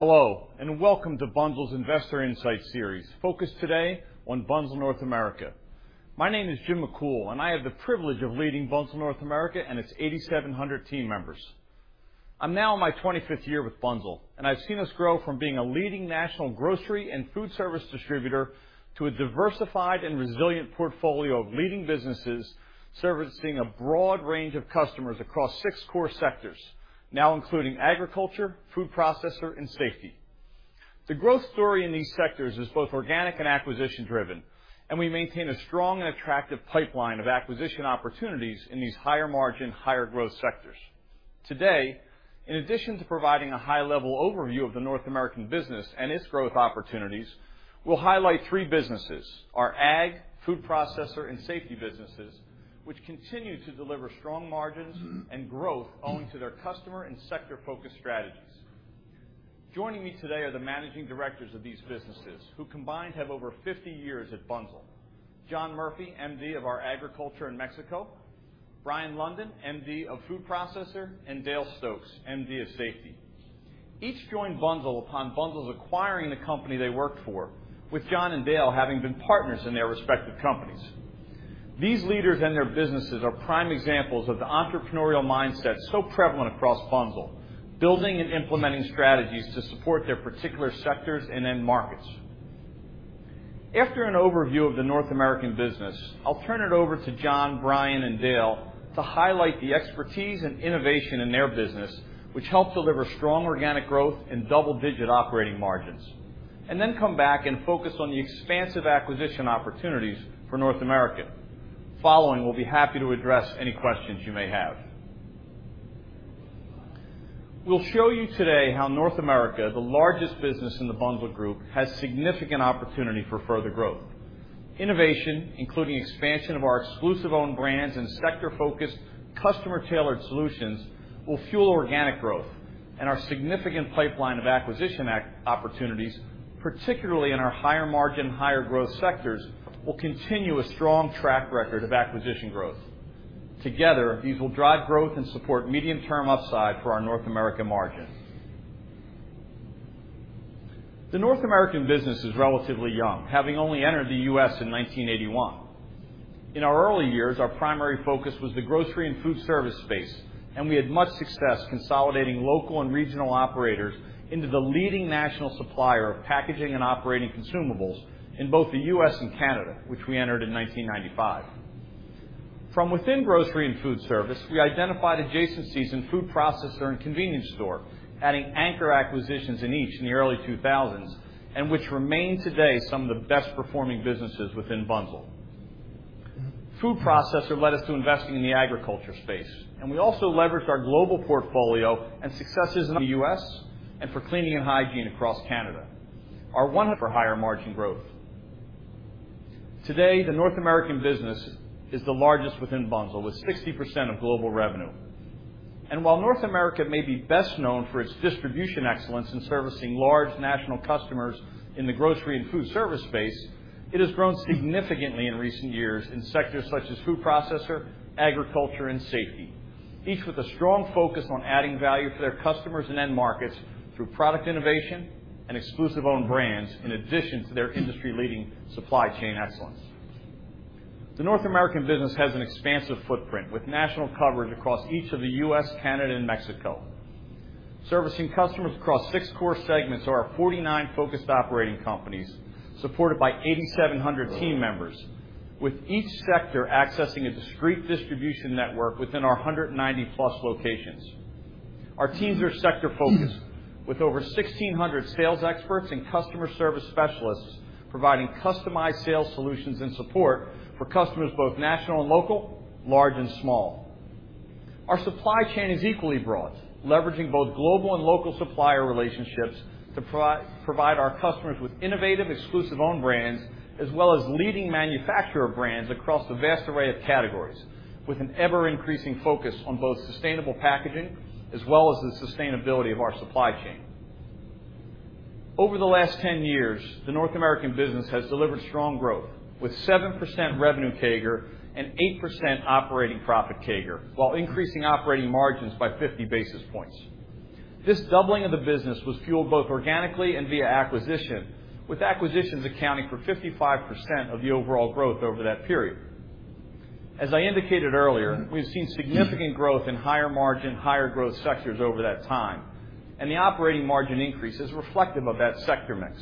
Hello, welcome to Bunzl's Investor Insight Series, focused today on Bunzl North America. My name is Jim McCool. I have the privilege of leading Bunzl North America and its 8,700 team members. I'm now in my 25th year with Bunzl. I've seen us grow from being a leading national grocery and food service distributor to a diversified and resilient portfolio of leading businesses, servicing a broad range of customers across six core sectors, now including Agriculture, Food Processor, and Safety. The growth story in these sectors is both organic and acquisition driven. We maintain a strong and attractive pipeline of acquisition opportunities in these higher margin, higher growth sectors. Today, in addition to providing a high-level overview of the North American business and its growth opportunities, we'll highlight three businesses, our Ag, Food Processor, and Safety businesses, which continue to deliver strong margins and growth owing to their customer and sector-focused strategies. Joining me today are the managing directors of these businesses, who combined, have over 50 years at Bunzl. John Murphy, MD of our Agriculture in Mexico, Bryon London, MD of Food Processor, and Dale Stokes, MD of Safety. Each joined Bunzl upon Bunzl's acquiring the company they worked for, with John and Dale having been partners in their respective companies. These leaders and their businesses are prime examples of the entrepreneurial mindset so prevalent across Bunzl, building and implementing strategies to support their particular sectors and end markets. After an overview of the North American business, I'll turn it over to John, Bryon, and Dale to highlight the expertise and innovation in their business, which help deliver strong organic growth and double-digit operating margins. Then come back and focus on the expansive acquisition opportunities for North America. Following, we'll be happy to address any questions you may have. We'll show you today how North America, the largest business in the Bunzl Group, has significant opportunity for further growth. Innovation, including expansion of our exclusive own brands and sector-focused, customer-tailored solutions, will fuel organic growth. Our significant pipeline of acquisition act opportunities, particularly in our higher margin, higher growth sectors, will continue a strong track record of acquisition growth. Together, these will drive growth and support medium-term upside for our North American margin. The North American business is relatively young, having only entered the U.S. in 1981. In our early years, our primary focus was the grocery and food service space, and we had much success consolidating local and regional operators into the leading national supplier of packaging and operating consumables in both the U.S. and Canada, which we entered in 1995. From within grocery and food service, we identified adjacencies in Food Processor and convenience store, adding anchor acquisitions in each in the early 2000s, and which remain today some of the best performing businesses within Bunzl. Food Processor led us to investing in the Agriculture space, and we also leveraged our global portfolio and successes in the U.S. and for cleaning and hygiene across Canada. Our [one] for higher margin growth. Today, the North American business is the largest within Bunzl, with 60% of global revenue. While North America may be best known for its distribution excellence in servicing large national customers in the grocery and food service space, it has grown significantly in recent years in sectors such as Food Processor, Agriculture, and Safety, each with a strong focus on adding value for their customers and end markets through product innovation and exclusive own brands, in addition to their industry-leading supply chain excellence. The North American business has an expansive footprint, with national coverage across each of the U.S., Canada, and Mexico. Servicing customers across six core segments are our 49 focused operating companies, supported by 8,700 team members, with each sector accessing a discrete distribution network within our 190-plus locations. Our teams are sector-focused, with over 1,600 sales experts and customer service specialists providing customized sales solutions and support for customers, both national and local, large and small. Our supply chain is equally broad, leveraging both global and local supplier relationships to provide our customers with innovative, exclusive own brands, as well as leading manufacturer brands across a vast array of categories, with an ever-increasing focus on both sustainable packaging as well as the sustainability of our supply chain. Over the last 10 years, the North American business has delivered strong growth, with 7% revenue CAGR and 8% operating profit CAGR, while increasing operating margins by 50 basis points. This doubling of the business was fueled both organically and via acquisition, with acquisitions accounting for 55% of the overall growth over that period. As I indicated earlier, we've seen significant growth in higher margin, higher growth sectors over that time, and the operating margin increase is reflective of that sector mix.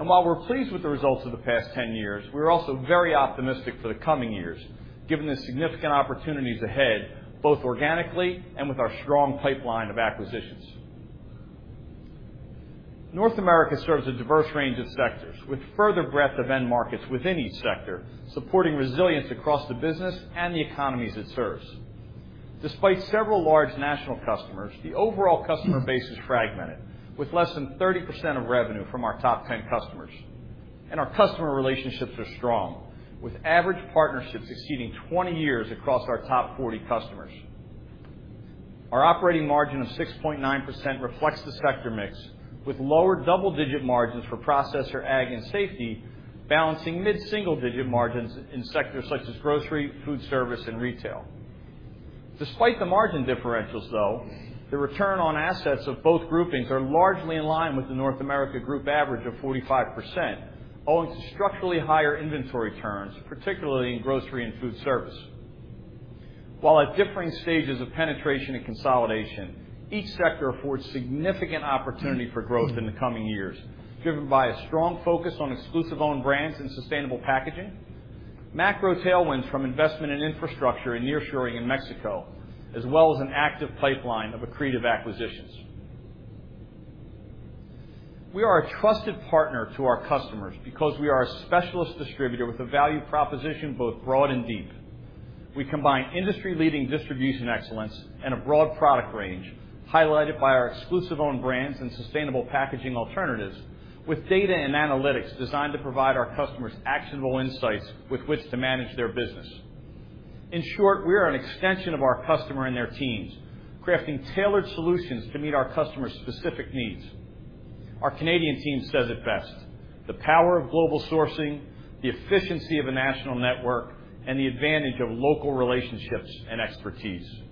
While we're pleased with the results of the past 10 years, we're also very optimistic for the coming years, given the significant opportunities ahead, both organically and with our strong pipeline of acquisitions. North America serves a diverse range of sectors, with further breadth of end markets within each sector, supporting resilience across the business and the economies it serves. Despite several large national customers, the overall customer base is fragmented, with less than 30% of revenue from our top 10 customers. Our customer relationships are strong, with average partnerships exceeding 20 years across our top 40 customers. Our operating margin of 6.9% reflects the sector mix, with lower double-digit margins for Processor, Ag, and Safety, balancing mid-single-digit margins in sectors such as grocery, food service, and retail. Despite the margin differentials, though, the return on assets of both groupings are largely in line with the North America group average of 45%, owing to structurally higher inventory turns, particularly in grocery and food service. While at differing stages of penetration and consolidation, each sector affords significant opportunity for growth in the coming years, driven by a strong focus on exclusive own brands and sustainable packaging, macro tailwinds from investment in infrastructure and nearshoring in Mexico, as well as an active pipeline of accretive acquisitions. We are a trusted partner to our customers because we are a specialist distributor with a value proposition, both broad and deep. We combine industry-leading distribution excellence and a broad product range, highlighted by our exclusive own brands and sustainable packaging alternatives, with data and analytics designed to provide our customers actionable insights with which to manage their business. In short, we are an extension of our customer and their teams, crafting tailored solutions to meet our customers' specific needs. Our Canadian team says it best, "The power of global sourcing, the efficiency of a national network, and the advantage of local relationships and expertise."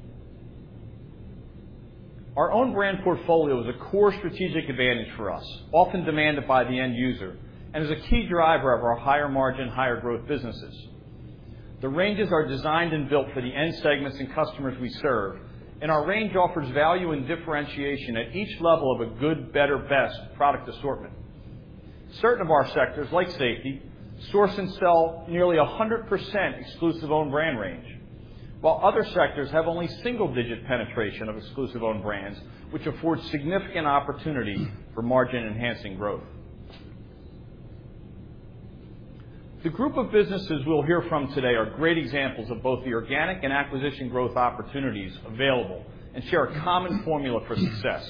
Our own brand portfolio is a core strategic advantage for us, often demanded by the end user, and is a key driver of our higher-margin, higher-growth businesses. The ranges are designed and built for the end segments and customers we serve. Our range offers value and differentiation at each level of a good, better, best product assortment. Certain of our sectors, like safety, source and sell nearly 100% exclusive own brand range, while other sectors have only single-digit penetration of exclusive own brands, which affords significant opportunity for margin-enhancing growth. The group of businesses we'll hear from today are great examples of both the organic and acquisition growth opportunities available, and share a common formula for success: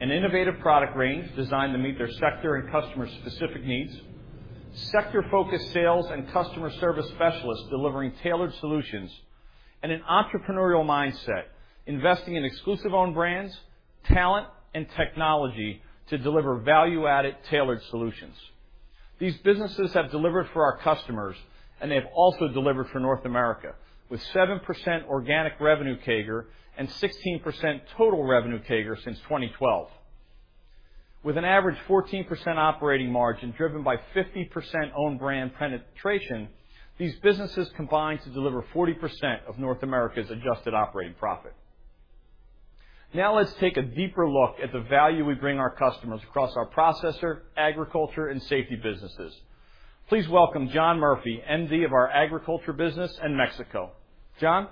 an innovative product range designed to meet their sector and customer-specific needs, sector-focused sales and customer service specialists delivering tailored solutions, and an entrepreneurial mindset, investing in exclusive own brands, talent, and technology to deliver value-added, tailored solutions. These businesses have delivered for our customers, and they have also delivered for North America, with 7% organic revenue CAGR and 16% total revenue CAGR since 2012. With an average 14% operating margin, driven by 50% own brand penetration, these businesses combine to deliver 40% of North America's adjusted operating profit. Now, let's take a deeper look at the value we bring our customers across our Processor, Agriculture, and Safety businesses. Please welcome John Murphy, MD of our agriculture business in Mexico. John?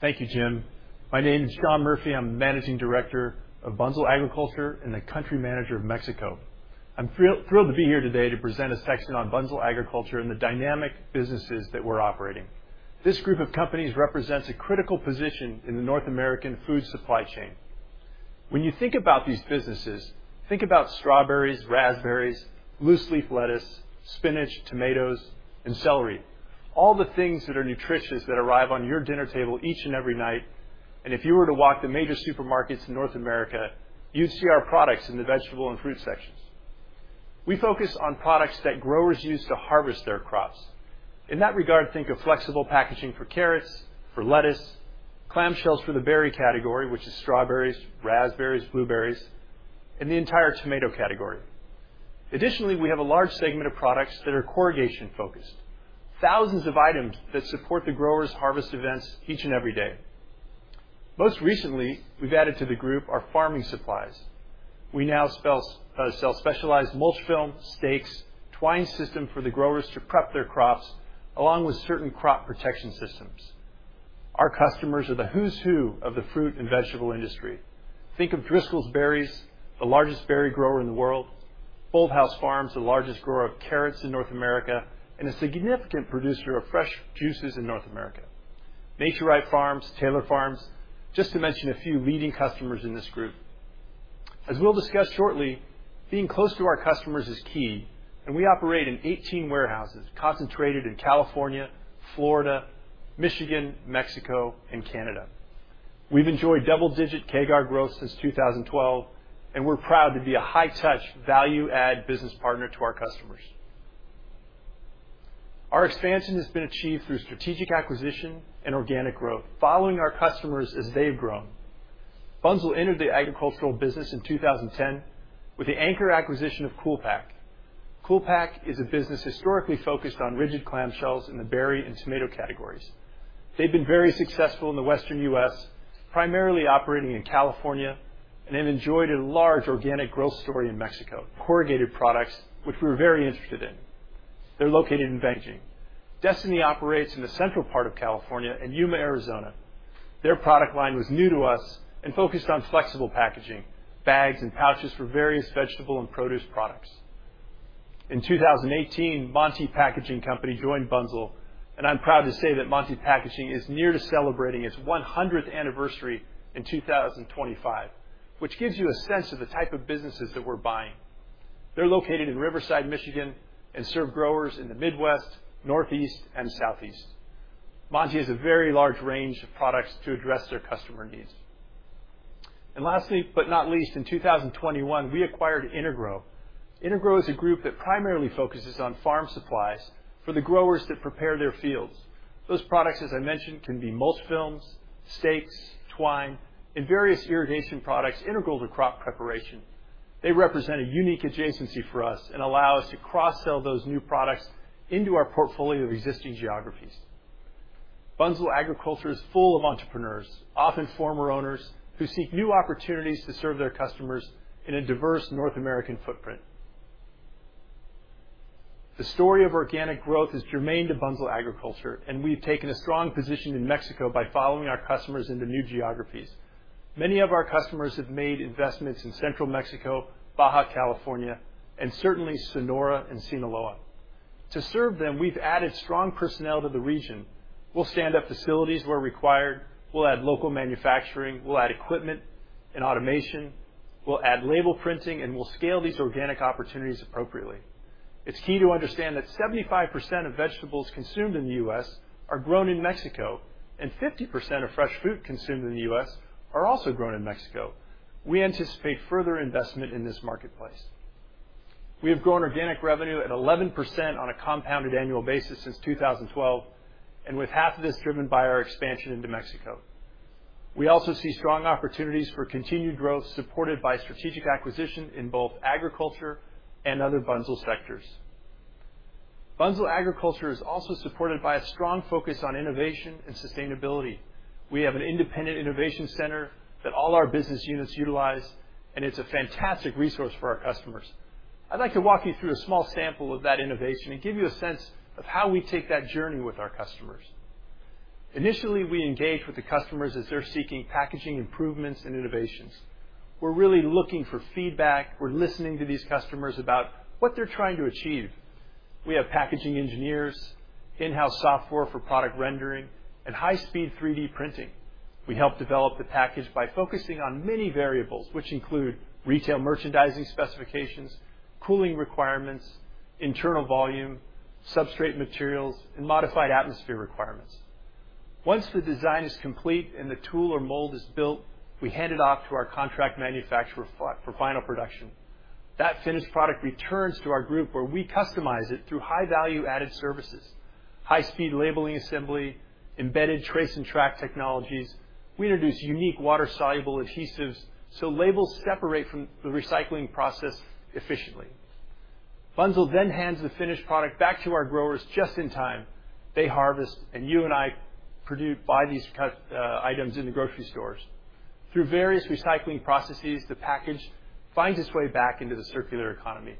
Thank you, Jim. My name is John Murphy. I'm Managing Director of Bunzl Agriculture and the Country Manager of Mexico. I'm thrilled to be here today to present a section on Bunzl Agriculture and the dynamic businesses that we're operating. This group of companies represents a critical position in the North American food supply chain. When you think about these businesses, think about strawberries, raspberries, loose-leaf lettuce, spinach, tomatoes, and celery. All the things that are nutritious that arrive on your dinner table each and every night, and if you were to walk the major supermarkets in North America, you'd see our products in the vegetable and fruit sections. We focus on products that growers use to harvest their crops. In that regard, think of flexible packaging for carrots, for lettuce, clamshells for the berry category, which is strawberries, raspberries, blueberries, and the entire tomato category. Additionally, we have a large segment of products that are corrugation-focused, thousands of items that support the growers' harvest events each and every day. Most recently, we've added to the group our farming supplies. We now sell specialized mulch film, stakes, twine system for the growers to prep their crops, along with certain crop protection systems. Our customers are the who's who of the fruit and vegetable industry. Think of Driscoll's Berries, the largest berry grower in the world, Bolthouse Farms, the largest grower of carrots in North America, and a significant producer of fresh juices in North America. Naturipe Farms, Taylor Farms, just to mention a few leading customers in this group. As we'll discuss shortly, being close to our customers is key, we operate in 18 warehouses concentrated in California, Florida, Michigan, Mexico, and Canada. We've enjoyed double-digit CAGR growth since 2012. We're proud to be a high-touch, value-add business partner to our customers. Our expansion has been achieved through strategic acquisition and organic growth, following our customers as they've grown. Bunzl entered the agricultural business in 2010 with the anchor acquisition of Cool Pak. Cool Pak is a business historically focused on rigid clamshells in the berry and tomato categories. They've been very successful in the Western U.S., primarily operating in California, and have enjoyed a large organic growth story in Mexico, corrugated products, which we're very interested in. They're located in Beijing. Destiny operates in the central part of California and Yuma, Arizona. Their product line was new to us and focused on flexible packaging, bags, and pouches for various vegetable and produce products. In 2018, Monte Package Company joined Bunzl, and I'm proud to say that Monte Packaging is near to celebrating its 100th anniversary in 2025, which gives you a sense of the type of businesses that we're buying. They're located in Riverside, Michigan, and serve growers in the Midwest, Northeast, and Southeast. Monte has a very large range of products to address their customer needs. Lastly, but not least, in 2021, we acquired Intergro. Intergro is a group that primarily focuses on farm supplies for the growers that prepare their fields. Those products, as I mentioned, can be mulch films, stakes, twine, and various irrigation products integral to crop preparation. They represent a unique adjacency for us and allow us to cross-sell those new products into our portfolio of existing geographies. Bunzl Agriculture is full of entrepreneurs, often former owners, who seek new opportunities to serve their customers in a diverse North American footprint. We've taken a strong position in Mexico by following our customers into new geographies. Many of our customers have made investments in central Mexico, Baja California, and certainly Sonora and Sinaloa. To serve them, we've added strong personnel to the region. We'll stand up facilities where required, we'll add local manufacturing, we'll add equipment and automation, we'll add label printing, and we'll scale these organic opportunities appropriately. It's key to understand that 75% of vegetables consumed in the U.S. are grown in Mexico, and 50% of fresh fruit consumed in the U.S. are also grown in Mexico. We anticipate further investment in this marketplace. We have grown organic revenue at 11% on a compounded annual basis since 2012, and with half of this driven by our expansion into Mexico. We also see strong opportunities for continued growth, supported by strategic acquisition in both agriculture and other Bunzl sectors. Bunzl Agriculture is also supported by a strong focus on innovation and sustainability. We have an independent innovation center that all our business units utilize, and it's a fantastic resource for our customers. I'd like to walk you through a small sample of that innovation and give you a sense of how we take that journey with our customers. Initially, we engage with the customers as they're seeking packaging improvements and innovations. We're really looking for feedback. We're listening to these customers about what they're trying to achieve. We have packaging engineers, in-house software for product rendering, and high-speed 3D printing. We help develop the package by focusing on many variables, which include retail merchandising specifications, cooling requirements, internal volume, substrate materials, and modified atmosphere requirements. Once the design is complete and the tool or mold is built, we hand it off to our contract manufacturer for final production. That finished product returns to our group, where we customize it through high-value-added services, high-speed labeling, assembly, embedded trace and track technologies. We introduce unique water-soluble adhesives, so labels separate from the recycling process efficiently. Bunzl hands the finished product back to our growers just in time. They harvest, and you and I produce, buy these items in the grocery stores. Through various recycling processes, the package finds its way back into the circular economy.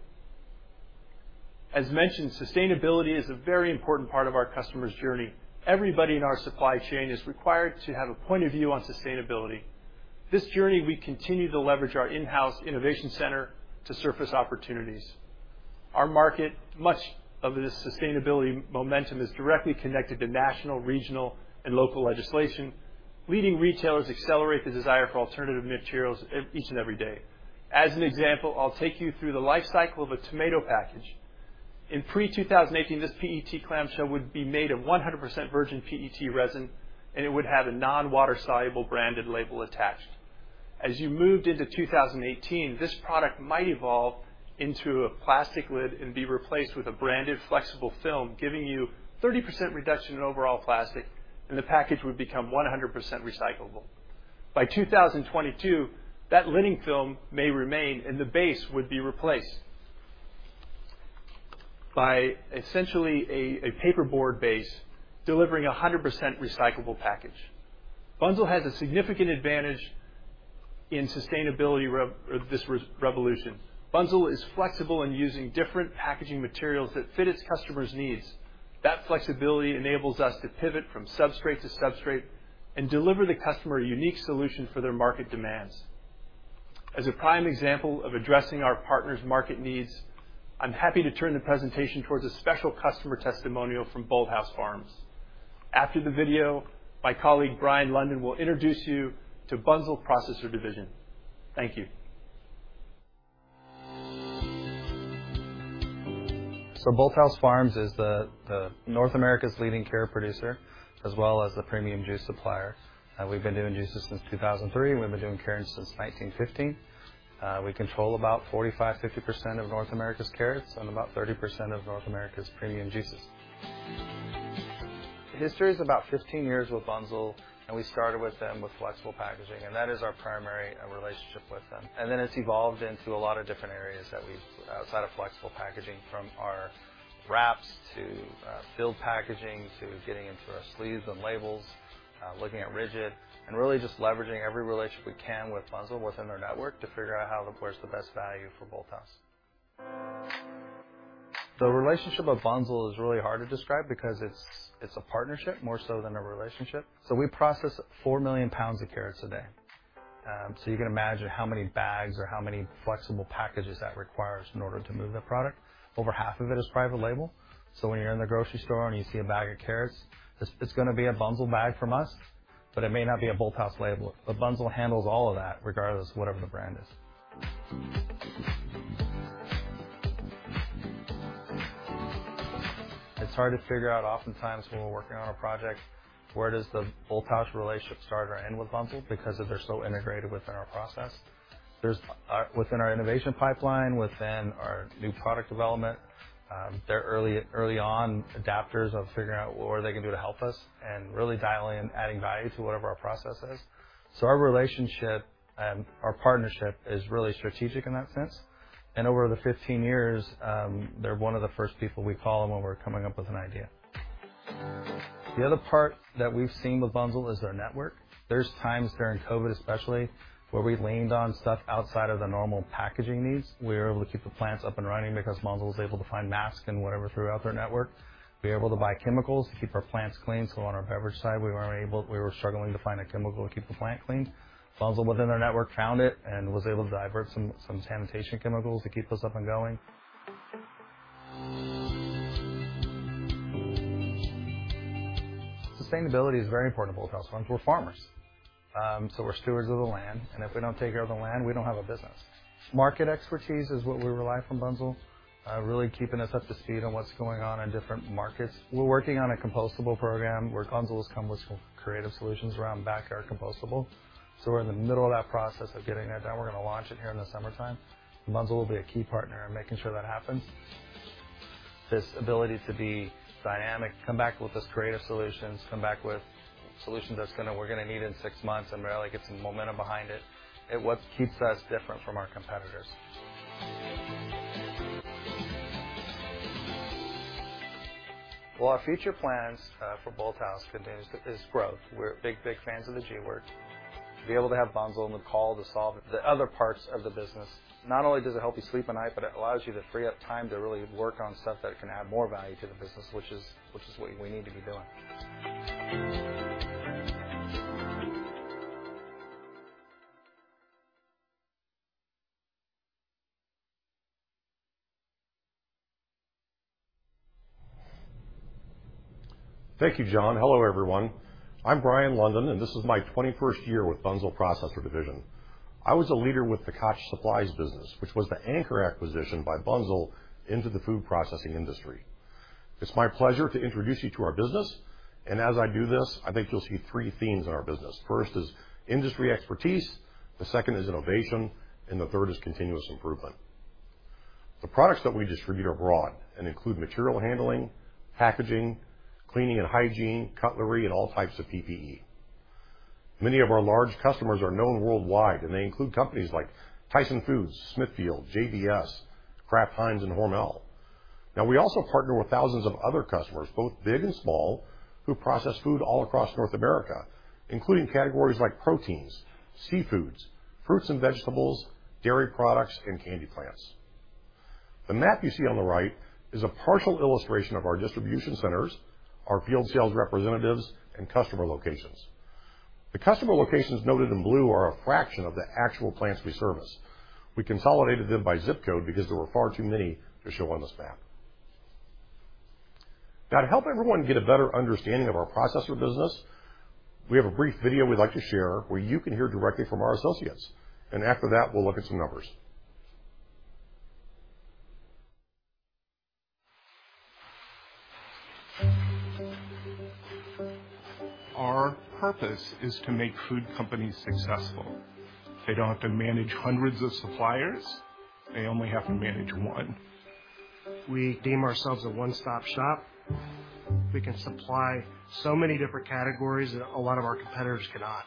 As mentioned, sustainability is a very important part of our customer's journey. Everybody in our supply chain is required to have a point of view on sustainability. This journey, we continue to leverage our in-house innovation center to surface opportunities. Our market, much of this sustainability momentum, is directly connected to national, regional, and local legislation. Leading retailers accelerate the desire for alternative materials each and every day. As an example, I'll take you through the life cycle of a tomato package. In pre-2018, this PET clamshell would be made of 100% virgin PET resin, and it would have a non-water-soluble branded label attached. As you moved into 2018, this product might evolve into a plastic lid and be replaced with a branded flexible film, giving you 30% reduction in overall plastic, and the package would become 100% recyclable. By 2022, that lining film may remain, and the base would be replaced by essentially a paperboard base, delivering a 100% recyclable package. Bunzl has a significant advantage in sustainability revolution. Bunzl is flexible in using different packaging materials that fit its customers' needs. Flexibility enables us to pivot from substrate to substrate and deliver the customer a unique solution for their market demands. As a prime example of addressing our partners' market needs, I'm happy to turn the presentation towards a special customer testimonial from Bolthouse Farms. After the video, my colleague, Bryon London, will introduce you to Bunzl Processor Division. Thank you. Bolthouse Farms is North America's leading carrot producer, as well as the premium juice supplier. We've been doing juices since 2003, and we've been doing carrots since 1950. We control about 45%-50% of North America's carrots and about 30% of North America's premium juices. History is about 15 years with Bunzl, we started with them with flexible packaging, and that is our primary relationship with them. It's evolved into a lot of different areas outside of flexible packaging, from our wraps to field packaging, to getting into our sleeves and labels, looking at rigid and really just leveraging every relationship we can with Bunzl within their network to figure out how to push the best value for Bolthouse. The relationship of Bunzl is really hard to describe because it's a partnership more so than a relationship. We process 4 million lbs of carrots a day. You can imagine how many bags or how many flexible packages that requires in order to move the product. Over half of it is private label, when you're in the grocery store and you see a bag of carrots, it's gonna be a Bunzl bag from us, but it may not be a Bolthouse label. Bunzl handles all of that, regardless of whatever the brand is. It's hard to figure out oftentimes when we're working on a project, where does the Bolthouse relationship start or end with Bunzl because of they're so integrated within our process. There's within our innovation pipeline, within our new product development, they're early on adapters of figuring out what they can do to help us and really dialing and adding value to whatever our process is. Our relationship and our partnership is really strategic in that sense, and over the 15 years, they're one of the first people we call on when we're coming up with an idea. The other part that we've seen with Bunzl is their network. There's times, during COVID especially, where we leaned on stuff outside of the normal packaging needs. We were able to keep the plants up and running because Bunzl was able to find masks and whatever throughout their network. We were able to buy chemicals to keep our plants clean. On our beverage side, we were struggling to find a chemical to keep the plant clean. Bunzl, within their network, found it and was able to divert some sanitation chemicals to keep us up and going. Sustainability is very important to Bolthouse Farms. We're farmers. We're stewards of the land, and if we don't take care of the land, we don't have a business. Market expertise is what we rely from Bunzl, really keeping us up to speed on what's going on in different markets. We're working on a compostable program, where Bunzl has come with some creative solutions around backyard compostable. We're in the middle of that process of getting that done. We're gonna launch it here in the summertime. Bunzl will be a key partner in making sure that happens. This ability to be dynamic, come back with those creative solutions, come back with solutions we're gonna need in 6 months and really get some momentum behind it's what keeps us different from our competitors. Well, our future plans for Bolthouse continues, is growth. We're big fans of the G word. To be able to have Bunzl on the call to solve the other parts of the business, not only does it help you sleep at night, but it allows you to free up time to really work on stuff that can add more value to the business, which is what we need to be doing. Thank you, John. Hello, everyone. I'm Bryon London, and this is my 21st year with Bunzl Processor Division. I was a leader with the Koch Supplies business, which was the anchor acquisition by Bunzl into the food processing industry. It's my pleasure to introduce you to our business, and as I do this, I think you'll see three themes in our business. First is industry expertise, the second is innovation, and the third is continuous improvement. The products that we distribute are broad and include material handling, packaging, cleaning and hygiene, cutlery, and all types of PPE. Many of our large customers are known worldwide, and they include companies like Tyson Foods, Smithfield, JBS, Kraft Heinz, and Hormel. We also partner with thousands of other customers, both big and small, who process food all across North America, including categories like proteins, seafoods, fruits and vegetables, dairy products, and candy plants. The map you see on the right is a partial illustration of our distribution centers, our field sales representatives, and customer locations. The customer locations noted in blue are a fraction of the actual plants we service. We consolidated them by zip code because there were far too many to show on this map. To help everyone get a better understanding of our Processor Business, we have a brief video we'd like to share, where you can hear directly from our associates, and after that, we'll look at some numbers. Our purpose is to make food companies successful. They don't have to manage hundreds of suppliers. They only have to manage one. We deem ourselves a one-stop shop. We can supply so many different categories that a lot of our competitors cannot.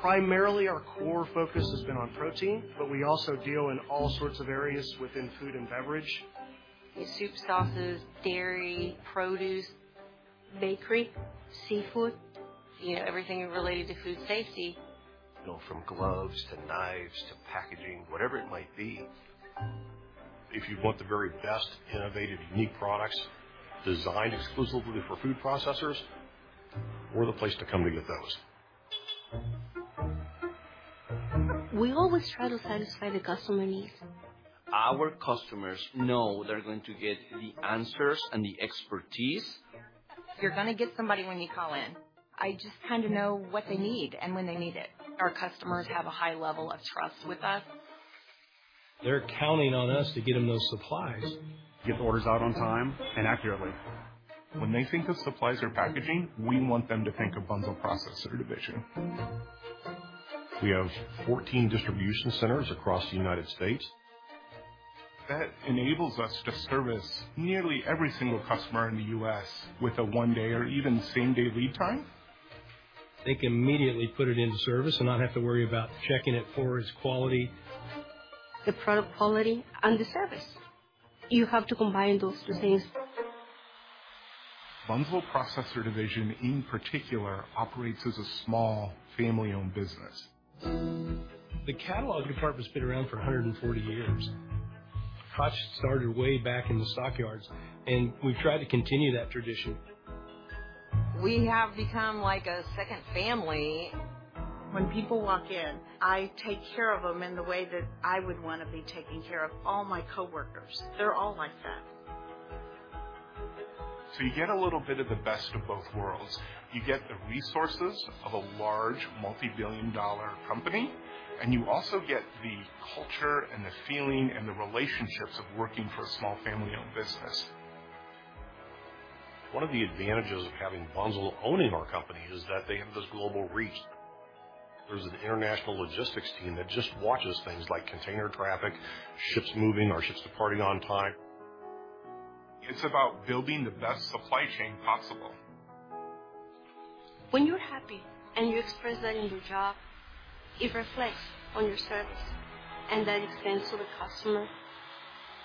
Primarily, our core focus has been on protein, but we also deal in all sorts of areas within food and beverage. In soups, sauces, dairy, produce. Bakery, seafood. You know, everything related to food safety. You know, from gloves to knives to packaging, whatever it might be. If you want the very best, innovative, unique products designed exclusively for food processors, we're the place to come to get those. We always try to satisfy the customer needs. Our customers know they're going to get the answers and the expertise. You're gonna get somebody when you call in. I just kind of know what they need and when they need it. Our customers have a high level of trust with us. They're counting on us to get them those supplies. Get the orders out on time and accurately. When they think of supplies or packaging, we want them to think of Bunzl Processor Division. We have 14 distribution centers across the United States. That enables us to service nearly every single customer in the US with a one-day or even same-day lead time. They can immediately put it into service and not have to worry about checking it for its quality. The product quality and the service, you have to combine those two things. Bunzl Processor Division, in particular, operates as a small, family-owned business. The catalog department's been around for 140 years. Koch started way back in the stockyards, and we've tried to continue that tradition. We have become like a second family. When people walk in, I take care of them in the way that I would want to be taking care of all my coworkers. They're all like that. You get a little bit of the best of both worlds. You get the resources of a large, multibillion-dollar company. You also get the culture, and the feeling, and the relationships of working for a small family-owned business. One of the advantages of having Bunzl owning our company is that they have this global reach. There's an international logistics team that just watches things like container traffic, ships moving, are ships departing on time. It's about building the best supply chain possible. When you're happy and you express that in your job, it reflects on your service, and that extends to the customer.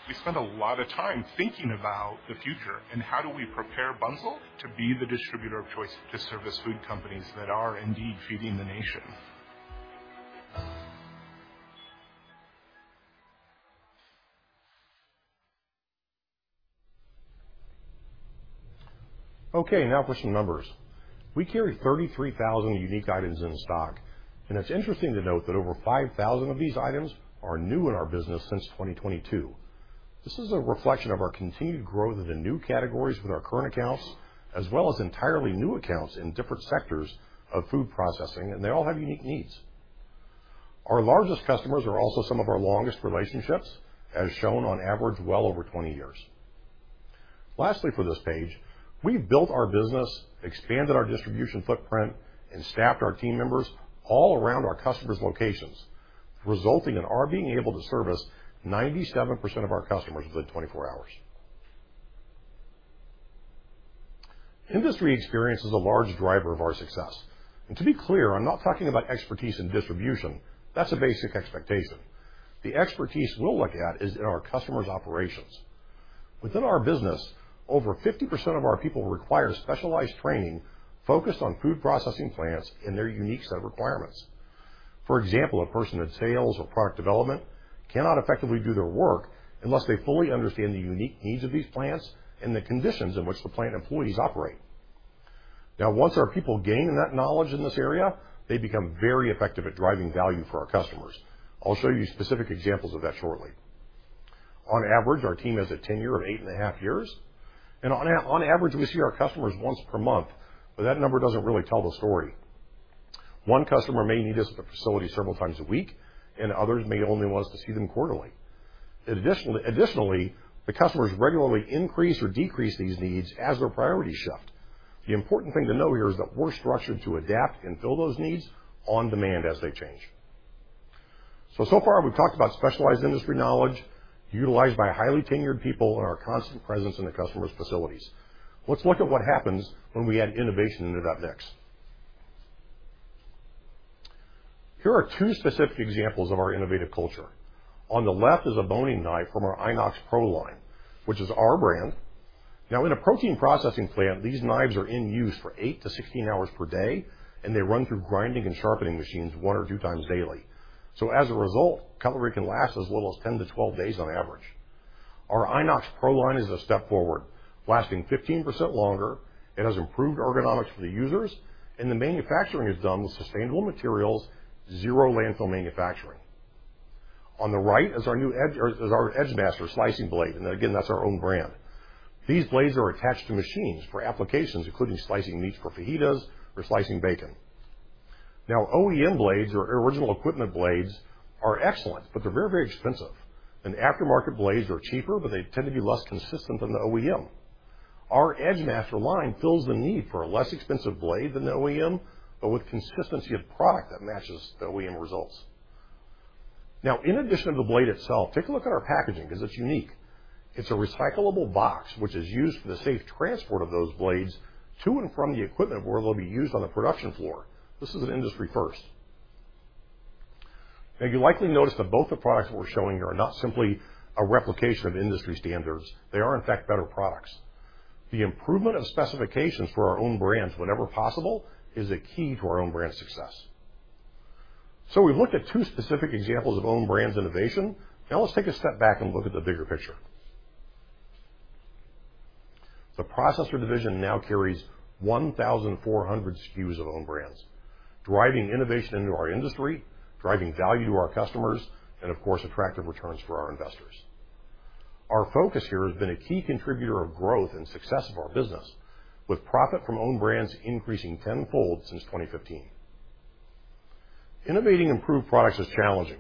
We spend a lot of time thinking about the future. How do we prepare Bunzl to be the distributor of choice to service food companies that are indeed feeding the nation. Okay, now for some numbers. We carry 33,000 unique items in stock, and it's interesting to note that over 5,000 of these items are new in our business since 2022. This is a reflection of our continued growth into new categories with our current accounts, as well as entirely new accounts in different sectors of food processing, and they all have unique needs. Our largest customers are also some of our longest relationships, as shown on average well over 20 years. Lastly, for this page, we've built our business, expanded our distribution footprint, and staffed our team members all around our customers' locations, resulting in our being able to service 97% of our customers within 24 hours. Industry experience is a large driver of our success. To be clear, I'm not talking about expertise in distribution. That's a basic expectation. The expertise we'll look at is in our customers' operations. Within our business, over 50% of our people require specialized training focused on food processing plants and their unique set of requirements. For example, a person in sales or product development cannot effectively do their work unless they fully understand the unique needs of these plants and the conditions in which the plant employees operate. Now, once our people gain that knowledge in this area, they become very effective at driving value for our customers. I'll show you specific examples of that shortly. On average, our team has a tenure of 8.5 years, and on average, we see our customers once per month. That number doesn't really tell the story. One customer may need us at a facility several times a week, and others may only want us to see them quarterly. Additionally, the customers regularly increase or decrease these needs as their priorities shift. The important thing to know here is that we're structured to adapt and fill those needs on demand as they change. So far, we've talked about specialized industry knowledge utilized by highly tenured people and our constant presence in the customer's facilities. Let's look at what happens when we add innovation into that mix. Here are two specific examples of our innovative culture. On the left is a boning knife from our INOX PRO line, which is our brand. Now, in a protein processing plant, these knives are in use for eight to 16 hours per day, and they run through grinding and sharpening machines one or 2x daily. As a result, cutlery can last as little as 10 to 12 days on average. Our INOX PRO line is a step forward, lasting 15% longer, it has improved ergonomics for the users, and the manufacturing is done with sustainable materials, zero landfill manufacturing. On the right is our new Edgemaster slicing blade, and again, that's our own brand. These blades are attached to machines for applications, including slicing meats for fajitas or slicing bacon. OEM blades, or original equipment blades, are excellent, but they're very, very expensive, and aftermarket blades are cheaper, but they tend to be less consistent than the OEM. Our Edgemaster line fills the need for a less expensive blade than the OEM, but with consistency of product that matches the OEM results. In addition to the blade itself, take a look at our packaging, 'cause it's unique. It's a recyclable box, which is used for the safe transport of those blades to and from the equipment where they'll be used on the production floor. This is an industry first. You likely noticed that both the products we're showing here are not simply a replication of industry standards. They are, in fact, better products. The improvement of specifications for our own brands, whenever possible, is a key to our own brand success. We've looked at two specific examples of own brands innovation. Let's take a step back and look at the bigger picture. The Processor Division now carries 1,400 SKUs of own brands, driving innovation into our industry, driving value to our customers, and, of course, attractive returns for our investors. Our focus here has been a key contributor of growth and success of our business, with profit from own brands increasing tenfold since 2015. Innovating improved products is challenging,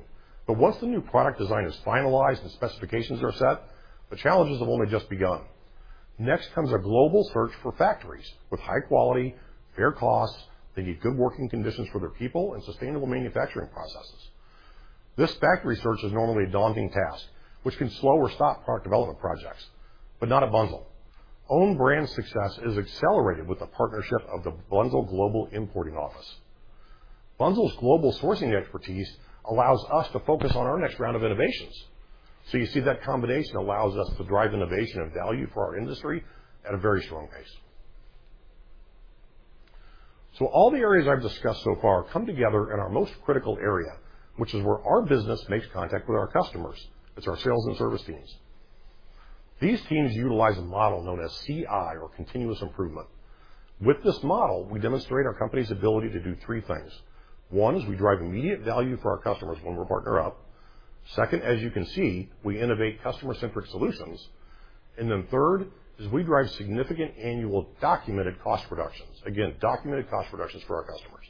once the new product design is finalized and specifications are set, the challenges have only just begun. Next comes a global search for factories with high quality, fair costs, they need good working conditions for their people, and sustainable manufacturing processes. This factory search is normally a daunting task, which can slow or stop product development projects, not at Bunzl. Own brand success is accelerated with the partnership of the Bunzl Global Importing Office. Bunzl's global sourcing expertise allows us to focus on our next round of innovations. You see, that combination allows us to drive innovation and value for our industry at a very strong pace. All the areas I've discussed so far come together in our most critical area, which is where our business makes contact with our customers. It's our sales and service teams. These teams utilize a model known as CI, or Continuous Improvement. With this model, we demonstrate our company's ability to do three things. One, is we drive immediate value for our customers when we partner up. Second, as you can see, we innovate customer-centric solutions. Third, is we drive significant annual documented cost reductions. Again, documented cost reductions for our customers.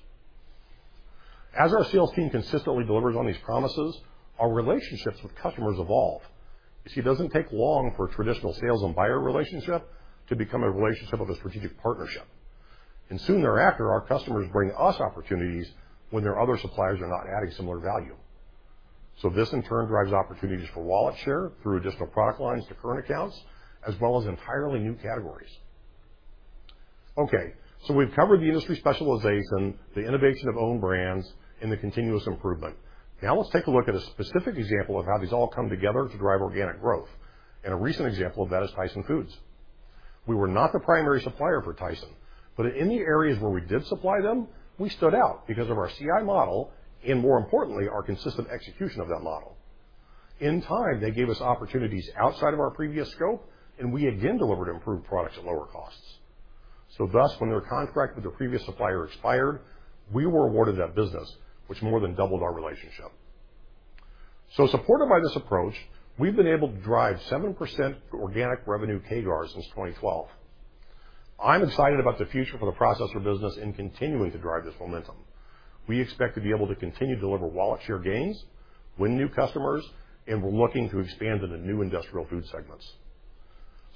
As our sales team consistently delivers on these promises, our relationships with customers evolve. You see, it doesn't take long for a traditional sales and buyer relationship to become a relationship of a strategic partnership. Soon thereafter, our customers bring us opportunities when their other suppliers are not adding similar value. This, in turn, drives opportunities for wallet share through additional product lines to current accounts, as well as entirely new categories. We've covered the industry specialization, the innovation of own brands, and the continuous improvement. Now, let's take a look at a specific example of how these all come together to drive organic growth. A recent example of that is Tyson Foods. We were not the primary supplier for Tyson, but in the areas where we did supply them, we stood out because of our CI model and, more importantly, our consistent execution of that model. In time, they gave us opportunities outside of our previous scope, and we again delivered improved products at lower costs. Thus, when their contract with their previous supplier expired, we were awarded that business, which more than doubled our relationship. Supported by this approach, we've been able to drive 7% organic revenue CAGR since 2012. I'm excited about the future for the Processor business in continuing to drive this momentum. We expect to be able to continue to deliver wallet share gains, win new customers, and we're looking to expand into new industrial food segments.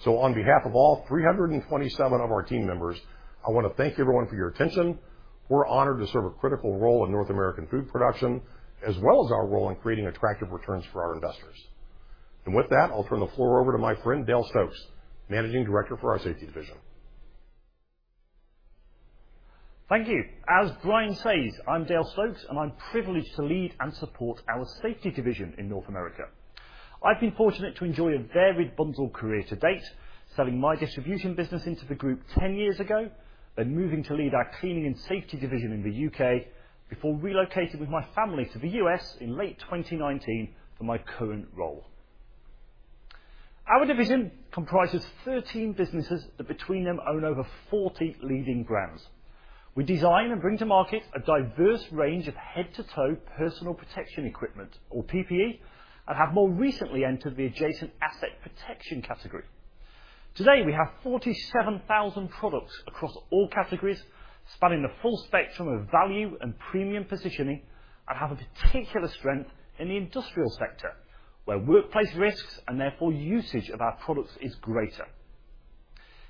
On behalf of all 327 of our team members, I want to thank everyone for your attention. We're honored to serve a critical role in North American food production, as well as our role in creating attractive returns for our investors. With that, I'll turn the floor over to my friend, Dale Stokes, Managing Director for our Safety Division. Thank you. As Bryon says, I'm Dale Stokes, and I'm privileged to lead and support our Safety Division in North America. I've been fortunate to enjoy a varied Bunzl career to date, selling my distribution business into the group 10 years ago, then moving to lead our Cleaning and Safety Division in the U.K., before relocating with my family to the U.S. in late 2019 for my current role. Our division comprises 13 businesses that between them own over 40 leading brands. We design and bring to market a diverse range of head-to-toe personal protection equipment, or PPE, and have more recently entered the adjacent asset protection category. Today, we have 47,000 products across all categories, spanning the full spectrum of value and premium positioning, and have a particular strength in the industrial sector, where workplace risks, and therefore usage of our products, is greater.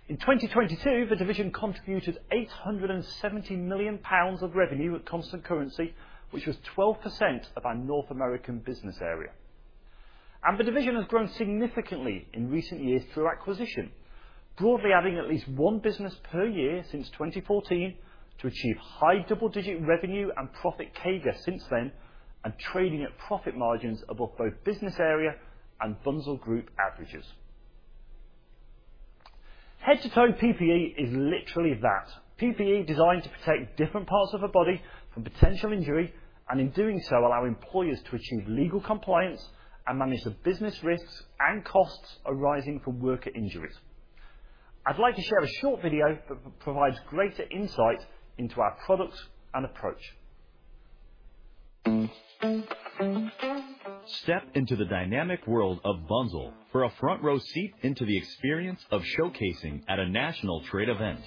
In 2022, the division contributed 870 million pounds of revenue at constant currency, which was 12% of our North American business area. The division has grown significantly in recent years through acquisition, broadly adding at least one business per year since 2014 to achieve high double-digit revenue and profit CAGR since then, trading at profit margins above both business area and Bunzl Group averages. Head-to-toe PPE is literally that. PPE designed to protect different parts of a body from potential injury, and in doing so, allow employers to achieve legal compliance and manage the business risks and costs arising from worker injuries. I'd like to share a short video that provides greater insight into our products and approach. Step into the dynamic world of Bunzl for a front row seat into the experience of showcasing at a national trade event,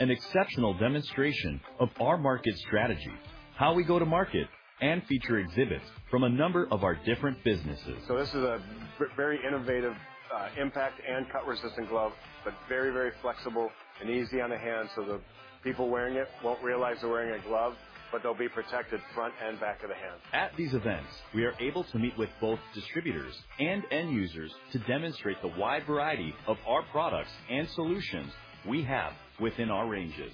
an exceptional demonstration of our market strategy, how we go to market, and feature exhibits from a number of our different businesses. This is a very innovative, impact and cut-resistant glove, but very, very flexible and easy on the hand, so the people wearing it won't realize they're wearing a glove, but they'll be protected front and back of the hand. At these events, we are able to meet with both distributors and end users to demonstrate the wide variety of our products and solutions we have within our ranges.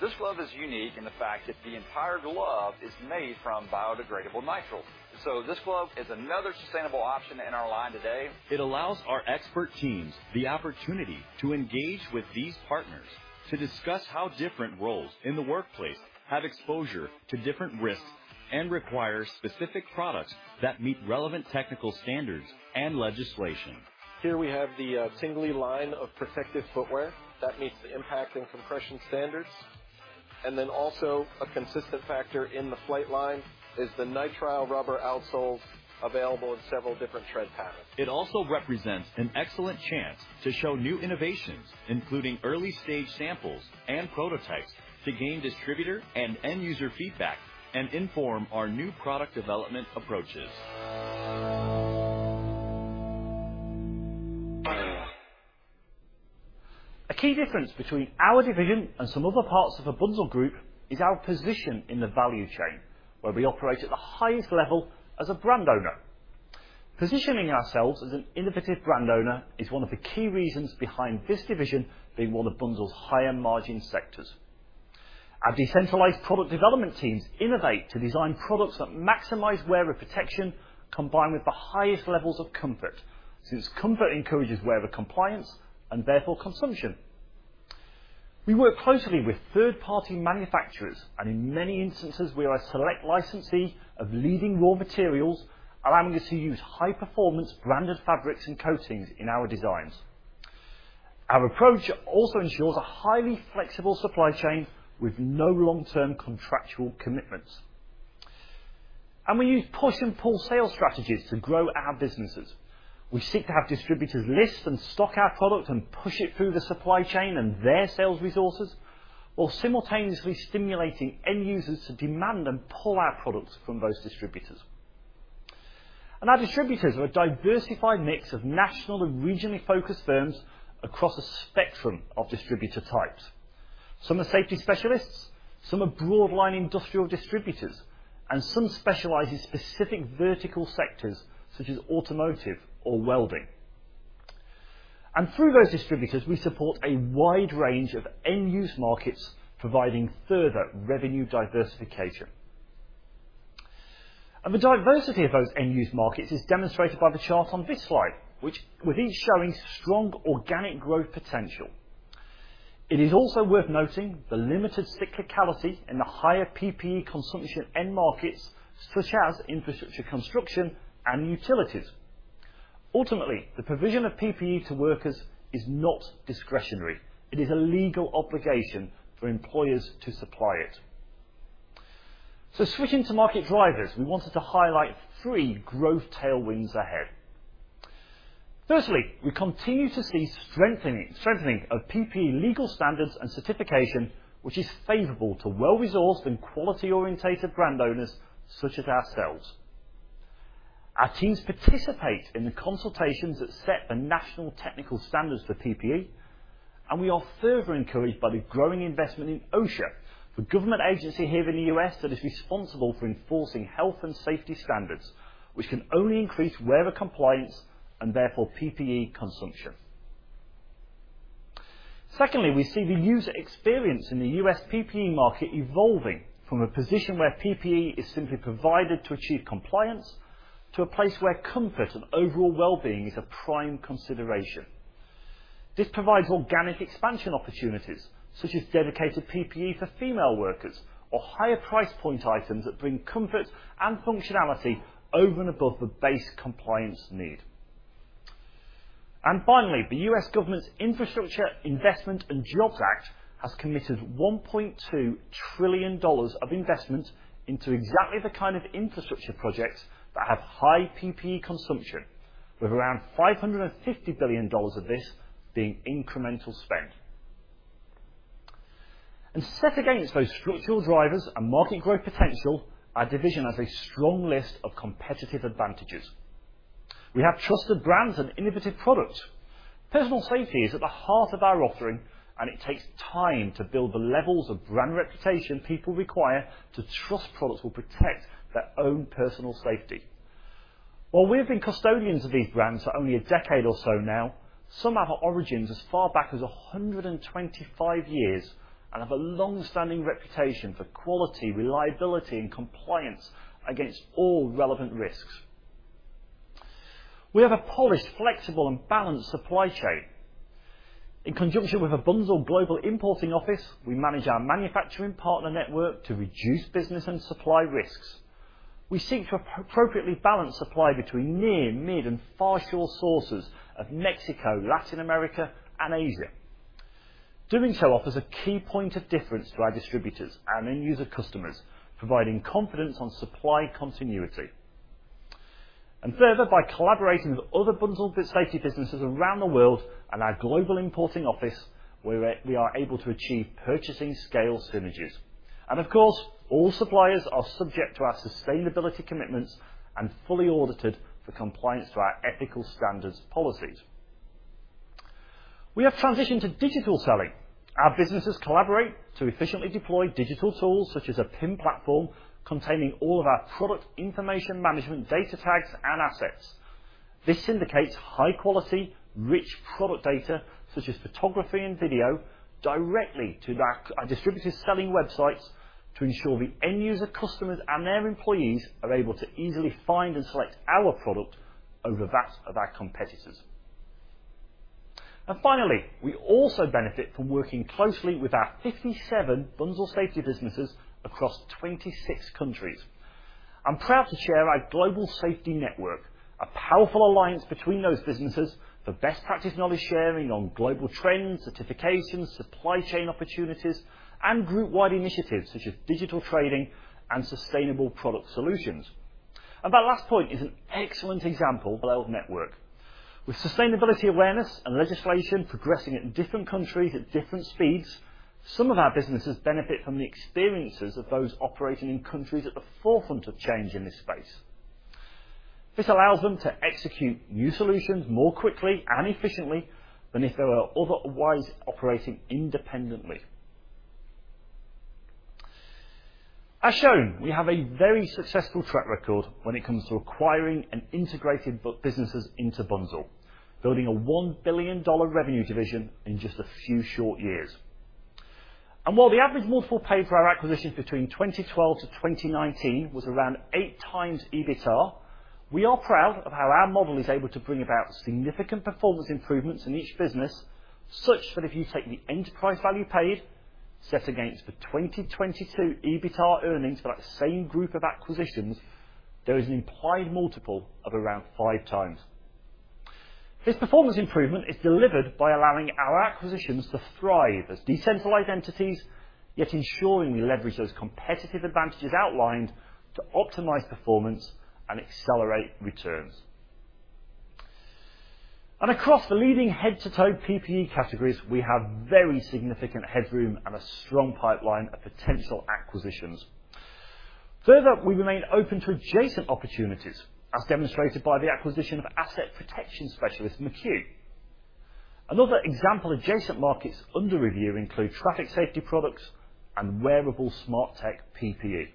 This glove is unique in the fact that the entire glove is made from biodegradable nitrile. This glove is another sustainable option in our line today. It allows our expert teams the opportunity to engage with these partners to discuss how different roles in the workplace have exposure to different risks and require specific products that meet relevant technical standards and legislation. Here we have the Tingley line of protective footwear that meets the impact and compression standards. Also, a consistent factor in the flight line is the nitrile rubber outsoles, available in several different tread patterns. It also represents an excellent chance to show new innovations, including early-stage samples and prototypes, to gain distributor and end user feedback and inform our new product development approaches. A key difference between our division and some other parts of the Bunzl Group is our position in the value chain, where we operate at the highest level as a brand owner. Positioning ourselves as an innovative brand owner is one of the key reasons behind this division being one of Bunzl's higher margin sectors. Our decentralized product development teams innovate to design products that maximize wearer protection, combined with the highest levels of comfort, since comfort encourages wearer compliance and therefore consumption. We work closely with third-party manufacturers, and in many instances, we are a select licensee of leading raw materials, allowing us to use high-performance branded fabrics and coatings in our designs. Our approach also ensures a highly flexible supply chain with no long-term contractual commitments. We use push and pull sales strategies to grow our businesses. We seek to have distributors list and stock our product and push it through the supply chain and their sales resources, while simultaneously stimulating end users to demand and pull our products from those distributors. Our distributors are a diversified mix of national and regionally focused firms across a spectrum of distributor types. Some are safety specialists, some are broad line industrial distributors, and some specialize in specific vertical sectors, such as automotive or welding. Through those distributors, we support a wide range of end-use markets, providing further revenue diversification. The diversity of those end-use markets is demonstrated by the chart on this slide, which with each showing strong organic growth potential. It is also worth noting the limited cyclicality in the higher PPE consumption end markets, such as infrastructure, construction, and utilities. Ultimately, the provision of PPE to workers is not discretionary. It is a legal obligation for employers to supply it. Switching to market drivers, we wanted to highlight three growth tailwinds ahead. Firstly, we continue to see strengthening of PPE legal standards and certification, which is favorable to well-resourced and quality-orientated brand owners such as ourselves. Our teams participate in the consultations that set the national technical standards for PPE, and we are further encouraged by the growing investment in OSHA, the government agency here in the US that is responsible for enforcing health and safety standards, which can only increase wearer compliance and therefore PPE consumption. Secondly, we see the user experience in the U.S. PPE market evolving from a position where PPE is simply provided to achieve compliance, to a place where comfort and overall well-being is a prime consideration. This provides organic expansion opportunities, such as dedicated PPE for female workers, or higher price point items that bring comfort and functionality over and above the base compliance need. Finally, the U.S. government's Infrastructure Investment and Jobs Act has committed $1.2 trillion of investment into exactly the kind of infrastructure projects that have high PPE consumption, with around $550 billion of this being incremental spend. Set against those structural drivers and market growth potential, our division has a strong list of competitive advantages. We have trusted brands and innovative products. Personal safety is at the heart of our offering, and it takes time to build the levels of brand reputation people require to trust products will protect their own personal safety. While we have been custodians of these brands for only a decade or so now, some have origins as far back as 125 years and have a long-standing reputation for quality, reliability, and compliance against all relevant risks. We have a polished, flexible, and balanced supply chain. In conjunction with a Bunzl Global Importing Office, we manage our manufacturing partner network to reduce business and supply risks. We seek to appropriately balance supply between near, mid, and far shore sources of Mexico, Latin America, and Asia. Doing so offers a key point of difference to our distributors and end user customers, providing confidence on supply continuity. Further, by collaborating with other Bunzl Safety businesses around the world and our Global Importing Office, we are able to achieve purchasing scale synergies. Of course, all suppliers are subject to our sustainability commitments and fully audited for compliance to our ethical standards policies. We have transitioned to digital selling. Our businesses collaborate to efficiently deploy digital tools such as a PIM platform, containing all of our product information, management, data tags, and assets. This syndicates high quality, rich product data, such as photography and video, directly to our distributor selling websites to ensure the end user customers and their employees are able to easily find and select our product over that of our competitors. Finally, we also benefit from working closely with our 57 Bunzl Safety businesses across 26 countries. I'm proud to share our global safety network, a powerful alliance between those businesses for best practice knowledge sharing on global trends, certifications, supply chain opportunities, and group-wide initiatives such as digital trading and sustainable product solutions. That last point is an excellent example of our network. With sustainability awareness and legislation progressing at different countries at different speeds, some of our businesses benefit from the experiences of those operating in countries at the forefront of change in this space. This allows them to execute new solutions more quickly and efficiently than if they were otherwise operating independently. As shown, we have a very successful track record when it comes to acquiring and integrating businesses into Bunzl, building a $1 billion revenue division in just a few short years. While the average multiple paid for our acquisitions between 2012 to 2019 was around 8x EBITDA, we are proud of how our model is able to bring about significant performance improvements in each business, such that if you take the enterprise value paid. set against the 2022 EBITDA earnings for that same group of acquisitions, there is an implied multiple of around 5x. This performance improvement is delivered by allowing our acquisitions to thrive as decentralized entities, yet ensuring we leverage those competitive advantages outlined to optimize performance and accelerate returns. Across the leading head-to-toe PPE categories, we have very significant headroom and a strong pipeline of potential acquisitions. Further, we remain open to adjacent opportunities, as demonstrated by the acquisition of asset protection specialist, McCue. Another example of adjacent markets under review include traffic safety products and wearable smart tech PPE.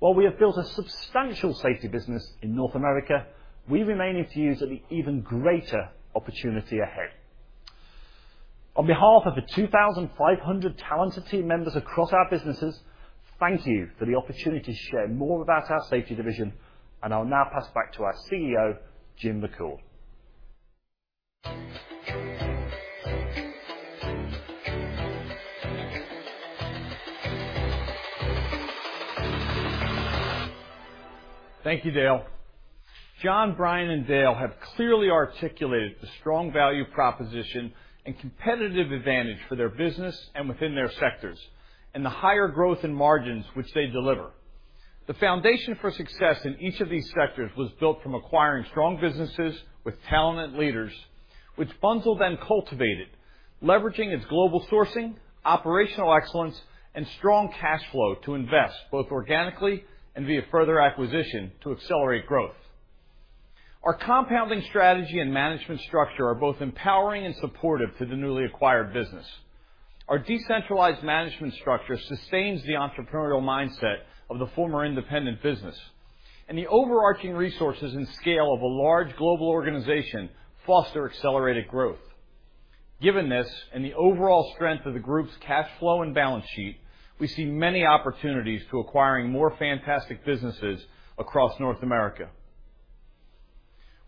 While we have built a substantial safety business in North America, we remain enthused at the even greater opportunity ahead. On behalf of the 2,500 talented team members across our businesses, thank you for the opportunity to share more about our safety division, and I'll now pass back to our CEO, Jim McCool. Thank you, Dale. John, Bryon, and Dale have clearly articulated the strong value proposition and competitive advantage for their business and within their sectors, and the higher growth in margins which they deliver. The foundation for success in each of these sectors was built from acquiring strong businesses with talented leaders, which Bunzl then cultivated, leveraging its global sourcing, operational excellence, and strong cash flow to invest, both organically and via further acquisition to accelerate growth. Our compounding strategy and management structure are both empowering and supportive to the newly acquired business. Our decentralized management structure sustains the entrepreneurial mindset of the former independent business, and the overarching resources and scale of a large global organization foster accelerated growth. Given this, and the overall strength of the group's cash flow and balance sheet, we see many opportunities to acquiring more fantastic businesses across North America.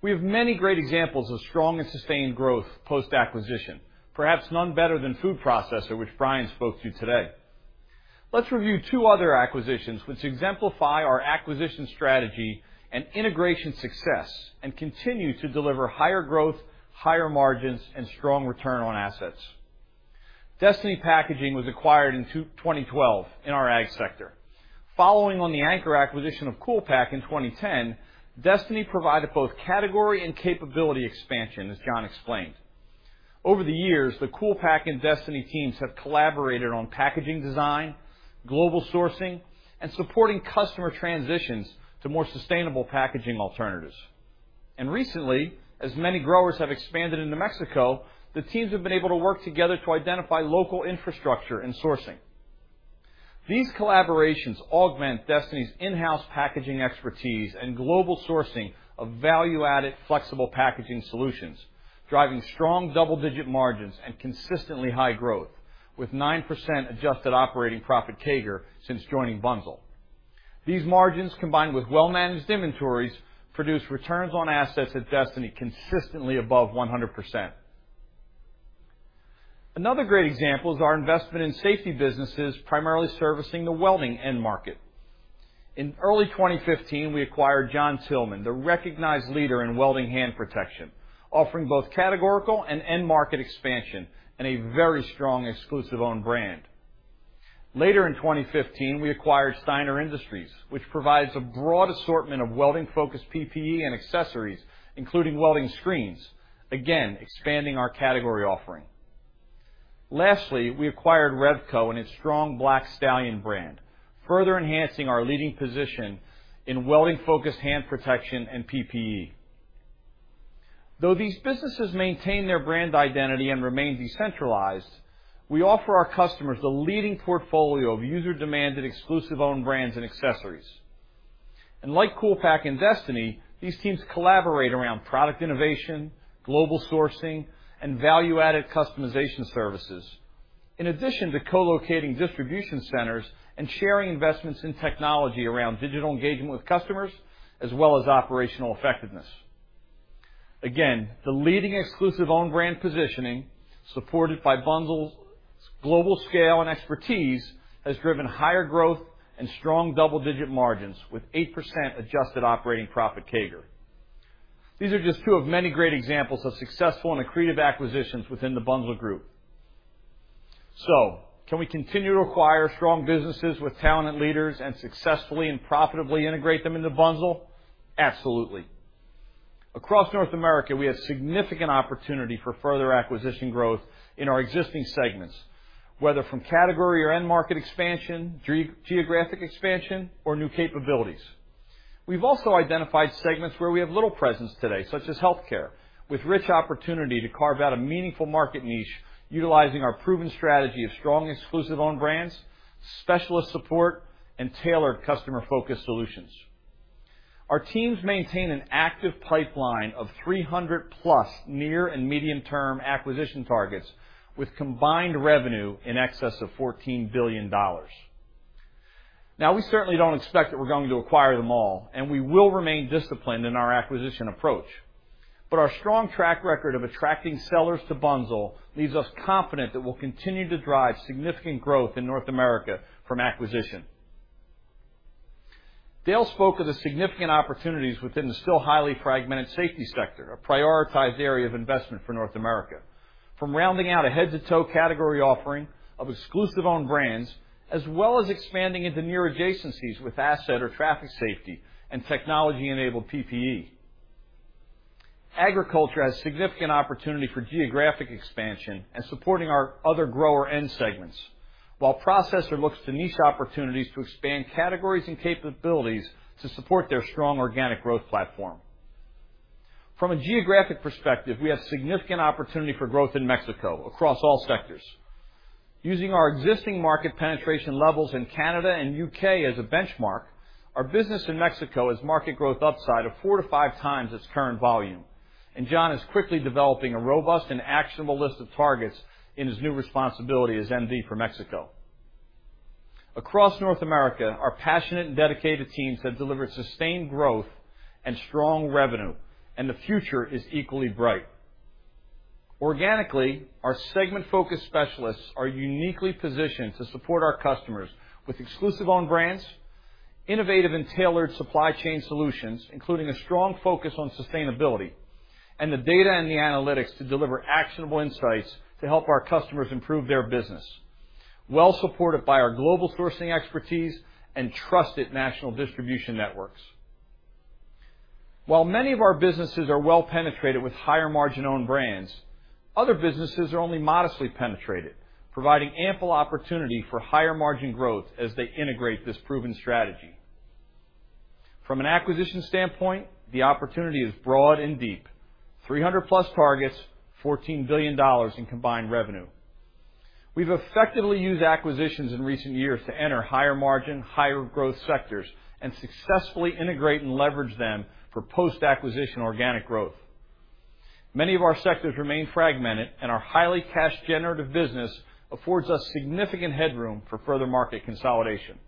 We have many great examples of strong and sustained growth post-acquisition, perhaps none better than Food Processor, which Bryon spoke to you today. Let's review two other acquisitions which exemplify our acquisition strategy and integration success, continue to deliver higher growth, higher margins, and strong return on assets. Destiny Packaging was acquired in 2012 in our ag sector. Following on the anchor acquisition of Cool Pak in 2010, Destiny provided both category and capability expansion, as John explained. Over the years, the Cool Pak and Destiny teams have collaborated on packaging design, global sourcing, and supporting customer transitions to more sustainable packaging alternatives. Recently, as many growers have expanded into Mexico, the teams have been able to work together to identify local infrastructure and sourcing. These collaborations augment Destiny's in-house packaging expertise and global sourcing of value-added, flexible packaging solutions, driving strong double-digit margins and consistently high growth, with 9% adjusted operating profit CAGR since joining Bunzl. These margins, combined with well-managed inventories, produce returns on assets at Destiny consistently above 100%. Another great example is our investment in Safety businesses, primarily servicing the welding end market. In early 2015, we acquired John Tillman, the recognized leader in welding hand protection, offering both categorical and end-market expansion, and a very strong, exclusive own brand. Later in 2015, we acquired Steiner Industries, which provides a broad assortment of welding-focused PPE and accessories, including welding screens. Again, expanding our category offering. Lastly, we acquired Revco and its strong Black Stallion brand, further enhancing our leading position in welding-focused hand protection and PPE. Though these businesses maintain their brand identity and remain decentralized, we offer our customers the leading portfolio of user-demanded, exclusive own brands and accessories. Like Cool Pak and Destiny, these teams collaborate around product innovation, global sourcing, and value-added customization services, in addition to co-locating distribution centers and sharing investments in technology around digital engagement with customers, as well as operational effectiveness. Again, the leading exclusive own brand positioning, supported by Bunzl's global scale and expertise, has driven higher growth and strong double-digit margins, with 8% adjusted operating profit CAGR. These are just two of many great examples of successful and accretive acquisitions within the Bunzl Group. Can we continue to acquire strong businesses with talented leaders and successfully and profitably integrate them into Bunzl? Absolutely. Across North America, we have significant opportunity for further acquisition growth in our existing segments, whether from category or end-market expansion, geographic expansion, or new capabilities. We've also identified segments where we have little presence today, such as healthcare, with rich opportunity to carve out a meaningful market niche utilizing our proven strategy of strong, exclusive own brands, specialist support, and tailored customer-focused solutions. Our teams maintain an active pipeline of 300+ near and medium-term acquisition targets, with combined revenue in excess of $14 billion. We certainly don't expect that we're going to acquire them all, and we will remain disciplined in our acquisition approach. Our strong track record of attracting sellers to Bunzl leaves us confident that we'll continue to drive significant growth in North America from acquisition. Dale spoke of the significant opportunities within the still highly fragmented safety sector, a prioritized area of investment for North America. From rounding out a head-to-toe category offering of exclusive own brands, as well as expanding into near adjacencies with asset or traffic safety and technology-enabled PPE. Agriculture has significant opportunity for geographic expansion and supporting our other grower end segments, while Processor looks to niche opportunities to expand categories and capabilities to support their strong organic growth platform. From a geographic perspective, we have significant opportunity for growth in Mexico across all sectors. Using our existing market penetration levels in Canada and U.K. as a benchmark, our business in Mexico has market growth upside of four to 5x its current volume, and John is quickly developing a robust and actionable list of targets in his new responsibility as MD for Mexico. Across North America, our passionate and dedicated teams have delivered sustained growth and strong revenue. The future is equally bright. Organically, our segment-focused specialists are uniquely positioned to support our customers with exclusive own brands, innovative and tailored supply chain solutions, including a strong focus on sustainability, and the data and the analytics to deliver actionable insights to help our customers improve their business, well supported by our global sourcing expertise and trusted national distribution networks. While many of our businesses are well penetrated with higher margin own brands, other businesses are only modestly penetrated, providing ample opportunity for higher margin growth as they integrate this proven strategy. From an acquisition standpoint, the opportunity is broad and deep: 300+ targets, $14 billion in combined revenue. We've effectively used acquisitions in recent years to enter higher margin, higher growth sectors and successfully integrate and leverage them for post-acquisition organic growth. Many of our sectors remain fragmented, and our highly cash-generative business affords us significant headroom for further market consolidation.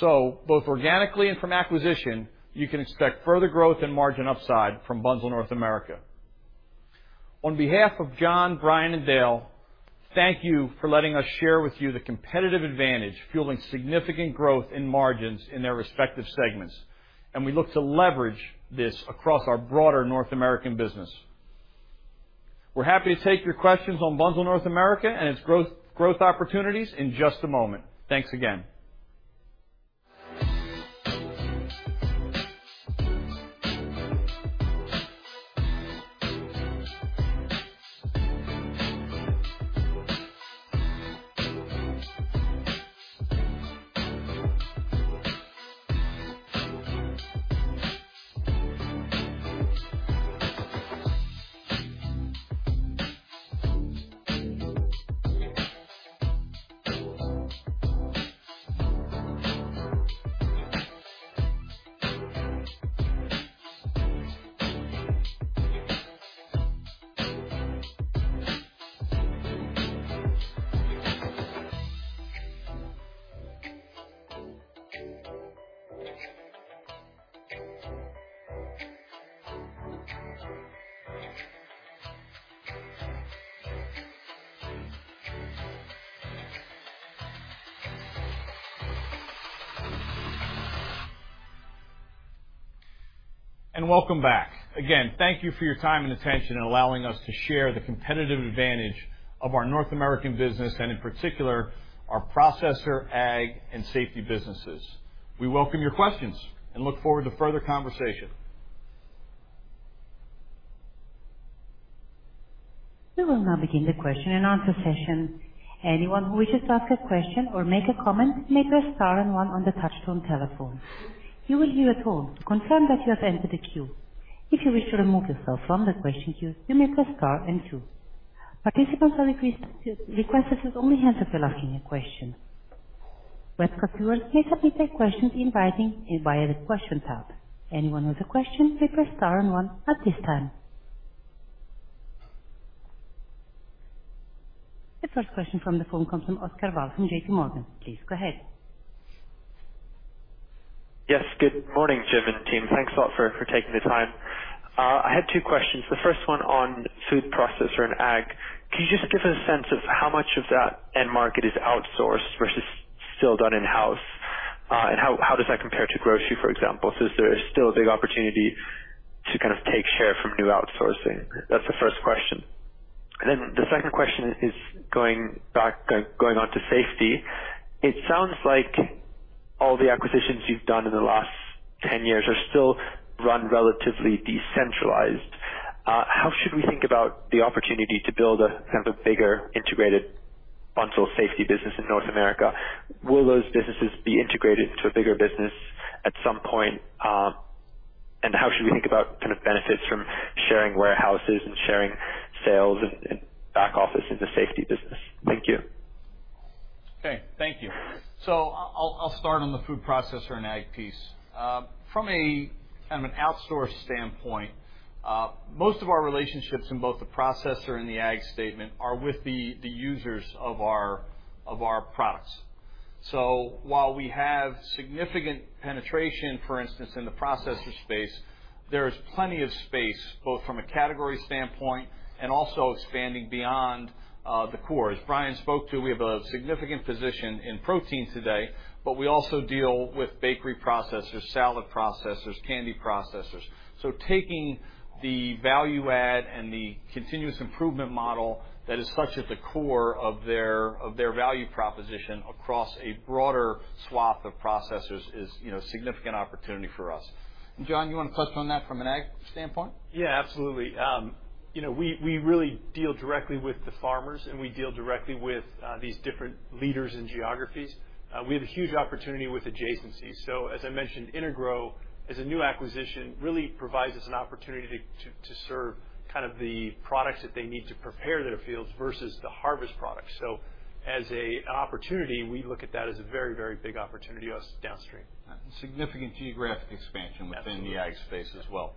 Both organically and from acquisition, you can expect further growth and margin upside from Bunzl North America. On behalf of John, Bryon, and Dale, thank you for letting us share with you the competitive advantage, fueling significant growth in margins in their respective segments, and we look to leverage this across our broader North American business. We're happy to take your questions on Bunzl North America and its growth opportunities in just a moment. Thanks again. Welcome back. Again, thank you for your time and attention and allowing us to share the competitive advantage of our North American business, and in particular, our Processor, Ag, and Safety businesses. We welcome your questions and look forward to further conversation. We will now begin the question-and-answer session. Anyone who wishes to ask a question or make a comment, may press star and one on the touchtone telephone. You will hear a tone to confirm that you have entered the queue. If you wish to remove yourself from the question queue, you may press star and two. Participants are requested to only raise their hands if they're asking a question. Webcast viewers may submit their questions in writing via the Question tab. Anyone with a question, please press star and one at this time. The first question from the phone comes from Oscar Val from JPMorgan. Please go ahead. Yes, good morning, Jim and team. Thanks a lot for taking the time. I had two questions. The first one on Food Processor and Ag. Can you just give us a sense of how much of that end market is outsourced versus still done in-house? And how does that compare to grocery, for example, since there is still a big opportunity to kind of take share from new outsourcing? That's the first question. The second question is going back, going on to Safety. It sounds like all the acquisitions you've done in the last 10 years are still run relatively decentralized. How should we think about the opportunity to build a kind of a bigger, integrated Bunzl Safety business in North America? Will those businesses be integrated into a bigger business at some point, and how should we think about kind of benefits from sharing warehouses and sharing sales and back office in the Safety business? Thank you. Okay, thank you. I'll start on the Food Processor and Ag piece. From a kind of an outsource standpoint, most of our relationships in both the Processor and the Ag statement are with the users of our products. While we have significant penetration, for instance, in the processor space, there is plenty of space, both from a category standpoint and also expanding beyond the core. As Bryon spoke to, we have a significant position in protein today, but we also deal with bakery processors, salad processors, candy processors. Taking the value add and the continuous improvement model that is such at the core of their value proposition across a broader swath of processors is, you know, a significant opportunity for us. John, you want to touch on that from an Ag standpoint? Yeah, absolutely. you know, we really deal directly with the farmers, and we deal directly with these different leaders in geographies. We have a huge opportunity with adjacencies. As I mentioned, Intergro, as a new acquisition, really provides us an opportunity to serve kind of the products that they need to prepare their fields versus the harvest products. As an opportunity, we look at that as a very, very big opportunity for us downstream. Significant geographic expansion. Absolutely. Within the ag space as well.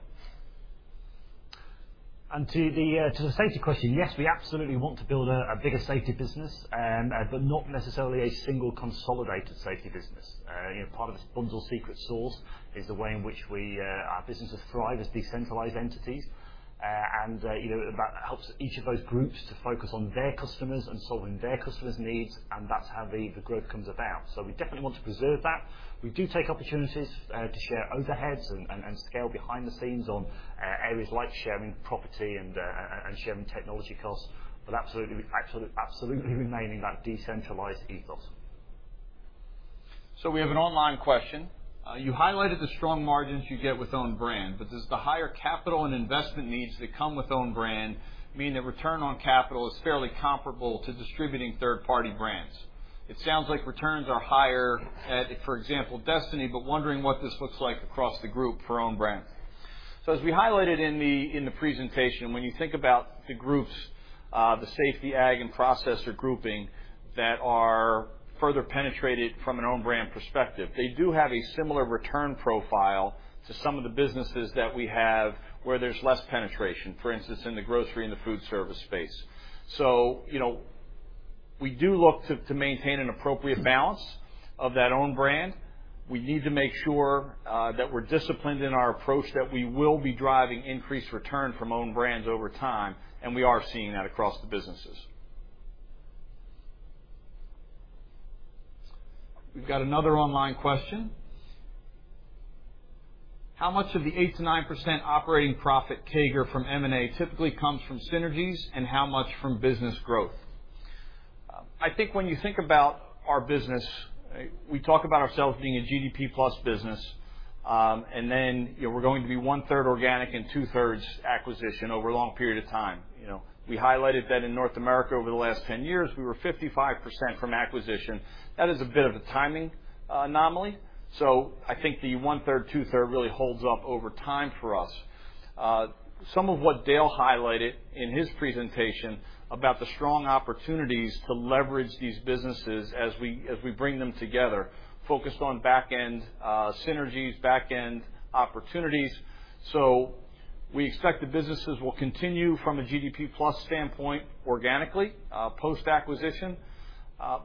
To the safety question, yes, we absolutely want to build a bigger safety business, but not necessarily a single consolidated Safety business. You know, part of this Bunzl secret sauce is the way in which we our businesses thrive as decentralized entities. You know, that helps each of those groups to focus on their customers and solving their customers' needs, and that's how the growth comes about. We definitely want to preserve that. We do take opportunities to share overheads and scale behind the scenes on areas like sharing property and sharing technology costs, but absolutely remaining that decentralized ethos. We have an online question. You highlighted the strong margins you get with own brand, but does the higher capital and investment needs that come with own brand mean that return on capital is fairly comparable to distributing third-party brands? It sounds like returns are higher at, for example, Destiny, but wondering what this looks like across the groups for own brand. As we highlighted in the presentation, when you think about the groups, the Safety, Ag, and Processor grouping that are further penetrated from an own brand perspective, they do have a similar return profile to some of the businesses that we have where there's less penetration, for instance, in the grocery and the food service space. You know, we do look to maintain an appropriate balance of that own brand. We need to make sure that we're disciplined in our approach, that we will be driving increased return from own brands over time, and we are seeing that across the businesses. We've got another online question: How much of the 8%-9% operating profit CAGR from M&A typically comes from synergies, and how much from business growth? I think when you think about our business, we talk about ourselves being a GDP plus business. You know, we're going to be 1/3 organic and 2/3 acquisition over a long period of time. You know, we highlighted that in North America over the last 10 years, we were 55% from acquisition. That is a bit of a timing anomaly. I think the 1/3, 2/3 really holds up over time for us. Some of what Dale highlighted in his presentation about the strong opportunities to leverage these businesses as we bring them together, focused on back-end synergies, back-end opportunities. We expect the businesses will continue from a GDP plus standpoint, organically, post-acquisition,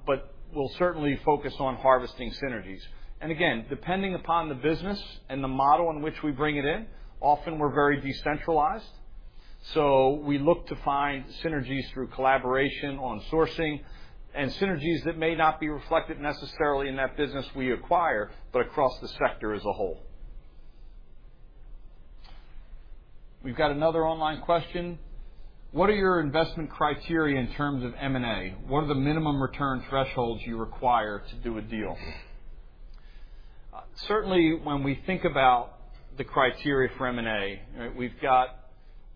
but we'll certainly focus on harvesting synergies. Again, depending upon the business and the model in which we bring it in, often we're very decentralized. We look to find synergies through collaboration on sourcing and synergies that may not be reflected necessarily in that business we acquire, but across the sector as a whole. We've got another online question: What are your investment criteria in terms of M&A? What are the minimum return thresholds you require to do a deal? Certainly, when we think about the criteria for M&A, we've got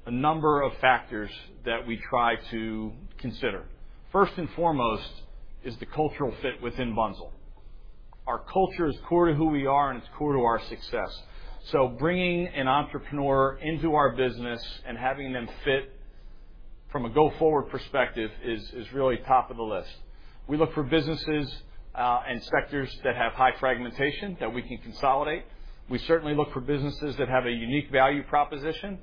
a number of factors that we try to consider. First and foremost is the cultural fit within Bunzl. Our culture is core to who we are, and it's core to our success. Bringing an entrepreneur into our business and having them fit from a go-forward perspective is really top of the list. We look for businesses, and sectors that have high fragmentation that we can consolidate. We certainly look for businesses that have a unique value proposition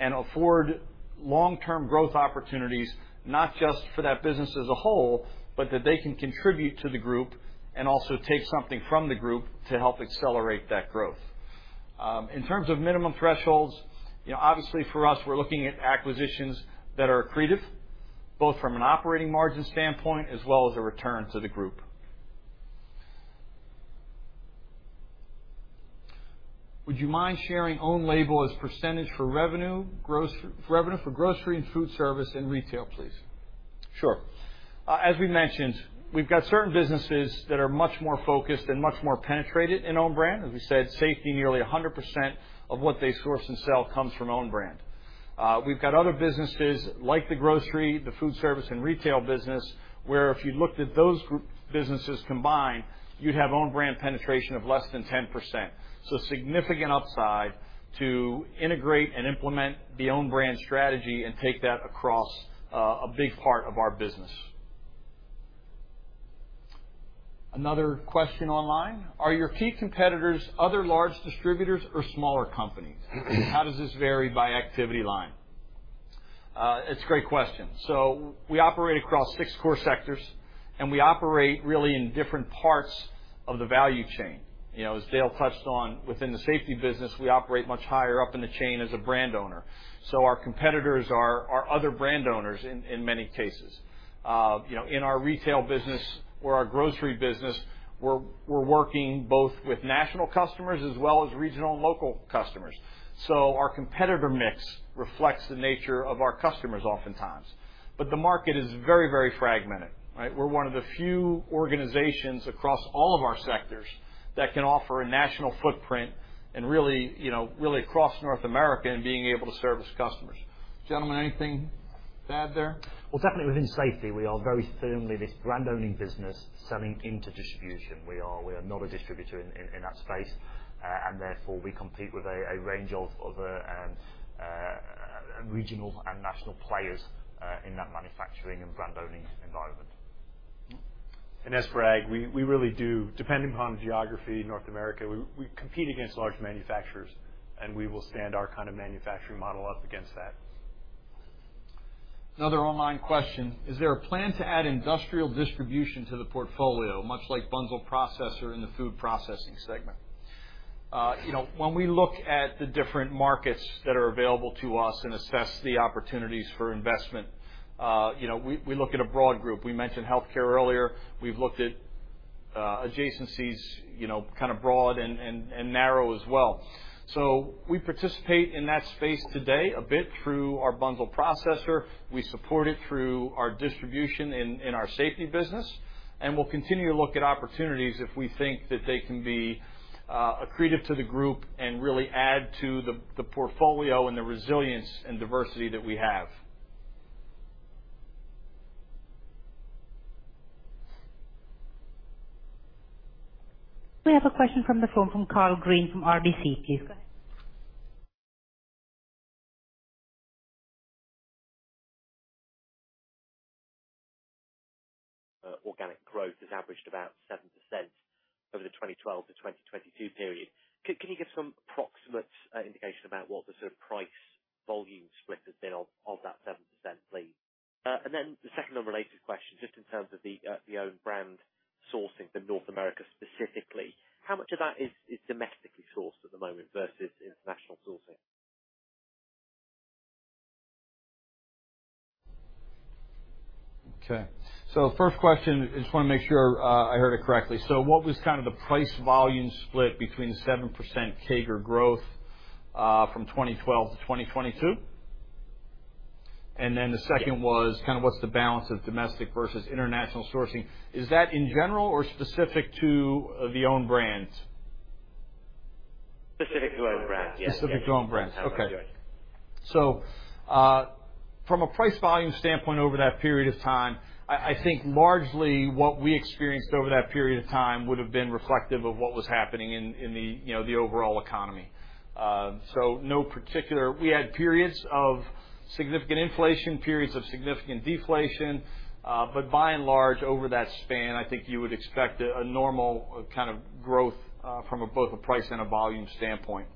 and afford long-term growth opportunities, not just for that business as a whole, but that they can contribute to the group and also take something from the group to help accelerate that growth. In terms of minimum thresholds, you know, obviously for us, we're looking at acquisitions that are accretive, both from an operating margin standpoint as well as a return to the group. Would you mind sharing own label as percentage for revenue for grocery and food service and retail, please? Sure. As we mentioned, we've got certain businesses that are much more focused and much more penetrated in own brand. As we said, Safety, nearly 100% of what they source and sell comes from own brand. We've got other businesses, like the grocery, the food service, and retail business, where if you looked at those group businesses combined, you'd have own brand penetration of less than 10%. Significant upside to integrate and implement the own brand strategy and take that across a big part of our business. Another question online: Are your key competitors, other large distributors or smaller companies? How does this vary by activity line? It's a great question. We operate across six core sectors, and we operate really in different parts of the value chain. You know, as Dale touched on, within the Safety business, we operate much higher up in the chain as a brand owner. Our competitors are other brand owners in many cases. You know, in our retail business or our grocery business, we're working both with national customers as well as regional and local customers. Our competitor mix reflects the nature of our customers oftentimes. The market is very, very fragmented, right? We're one of the few organizations across all of our sectors that can offer a national footprint and really, you know, really across North America in being able to service customers. Gentlemen, anything to add there? Well, definitely within Safety, we are very firmly this brand owning business selling into distribution. We are not a distributor in that space. Therefore, we compete with a range of other regional and national players in that manufacturing and brand owning environment. As for Ag, we really do, depending upon geography, North America, we compete against large manufacturers, and we will stand our kind of manufacturing model up against that. Another online question: Is there a plan to add industrial distribution to the portfolio, much like Bunzl Processor in the food processing segment? You know, when we look at the different markets that are available to us and assess the opportunities for investment, you know, we look at a broad group. We mentioned healthcare earlier. We've looked at adjacencies, you know, kind of broad and narrow as well. We participate in that space today a bit through our Bunzl Processor. We support it through our distribution in our Safety business, we'll continue to look at opportunities if we think that they can be accretive to the group and really add to the portfolio and the resilience and diversity that we have. We have a question from the phone from Karl Green from RBC. Please go ahead. Organic growth has averaged about 7% over the 2012 to 2022 period. Can you give some approximate indication about what the sort of price volume split has been of that 7%, please? The second unrelated question, just in terms of the own brand sourcing for North America, specifically, how much of that is domestically sourced at the moment versus international sourcing? The first question, I just wanna make sure I heard it correctly. What was kind of the price volume split between 7% CAGR growth from 2012 to 2022? The second was. Yes. Kind of what's the balance of domestic versus international sourcing? Is that in general or specific to the own brands? Specific to own brands, yes. Specific to own brands. That's right. Okay. From a price volume standpoint, over that period of time, I think largely what we experienced over that period of time would have been reflective of what was happening in the, you know, the overall economy. We had periods of significant inflation, periods of significant deflation, but by and large, over that span, I think you would expect a normal kind of growth from both a price and a volume standpoint.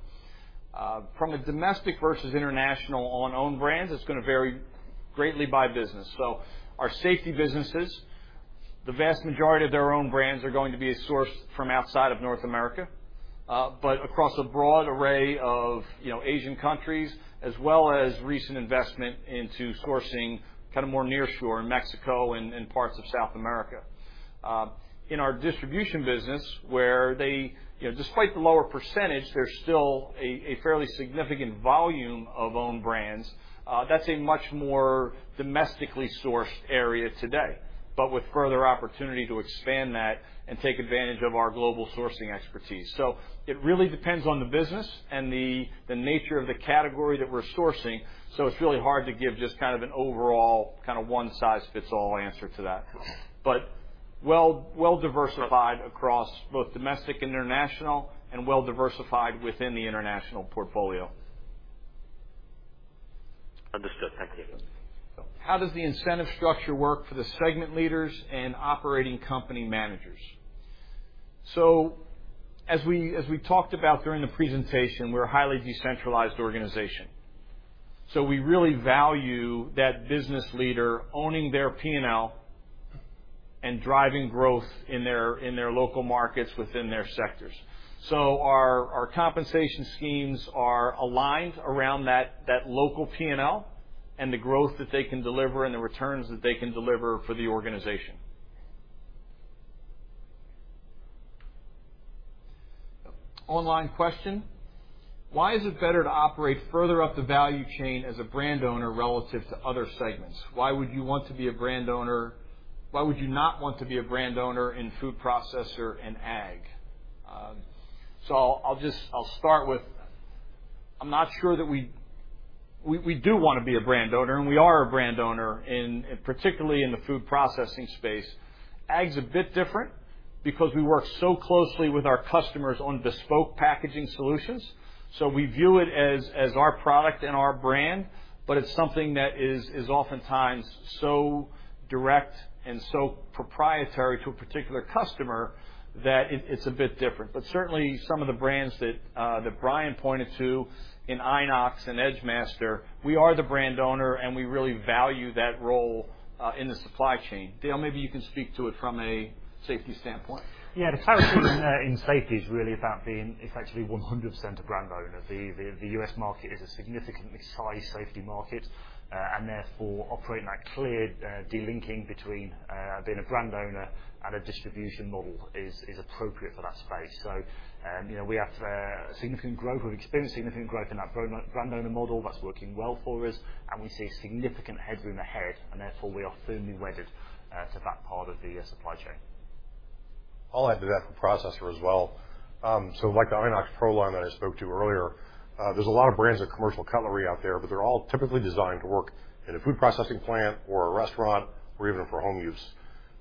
From a domestic versus international on own brands, it's gonna vary greatly by business. Our Safety businesses, the vast majority of their own brands are going to be sourced from outside of North America, but across a broad array of, you know, Asian countries, as well as recent investment into sourcing kind of more near shore in Mexico and parts of South America. In our distribution business, where they, you know, despite the lower percentage, there's still a fairly significant volume of own brands. That's a much more domestically sourced area today, but with further opportunity to expand that and take advantage of our global sourcing expertise. It really depends on the business and the nature of the category that we're sourcing, so it's really hard to give just kind of an overall, kind of, one-size-fits-all answer to that. Well diversified across both domestic and international, and well diversified within the international portfolio. Understood. Thank you. How does the incentive structure work for the segment leaders and operating company managers? As we talked about during the presentation, we're a highly decentralized organization, so we really value that business leader owning their P&L and driving growth in their local markets within their sectors. Our compensation schemes are aligned around that local P&L and the growth that they can deliver and the returns that they can deliver for the organization. Online question: Why is it better to operate further up the value chain as a brand owner relative to other segments? Why would you not want to be a brand owner in Food Processor and Ag? I'll start with, I'm not sure that we do wanna be a brand owner, and we are a brand owner in, particularly in the food processing space. Ag is a bit different. because we work so closely with our customers on bespoke packaging solutions, so we view it as our product and our brand, but it's something that is oftentimes so direct and so proprietary to a particular customer, that it's a bit different. Certainly, some of the brands that Bryon pointed to in INOX and Edgemaster, we are the brand owner, and we really value that role in the supply chain. Dale, maybe you can speak to it from a safety standpoint. Yeah, the power team, in safety is really about being effectively 100% a brand owner. The U.S. market is a significantly high safety market, and therefore operating that clear, delinking between, being a brand owner and a distribution model is appropriate for that space. You know, we have significant growth. We've experienced significant growth in that brand owner model. That's working well for us, and we see significant headroom ahead, and therefore, we are firmly wedded to that part of the supply chain. I'll add to that for processor as well. Like the INOX PRO line that I spoke to earlier, there's a lot of brands of commercial cutlery out there, but they're all typically designed to work in a food processing plant or a restaurant or even for home use.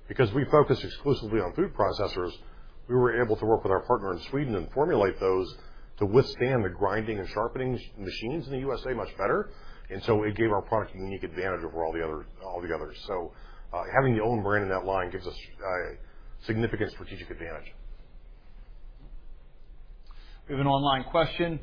Because we focus exclusively on food processors, we were able to work with our partner in Sweden and formulate those to withstand the grinding and sharpening machines in the USA much better, it gave our product a unique advantage over all the others. Having the own brand in that line gives us a significant strategic advantage. We have an online question: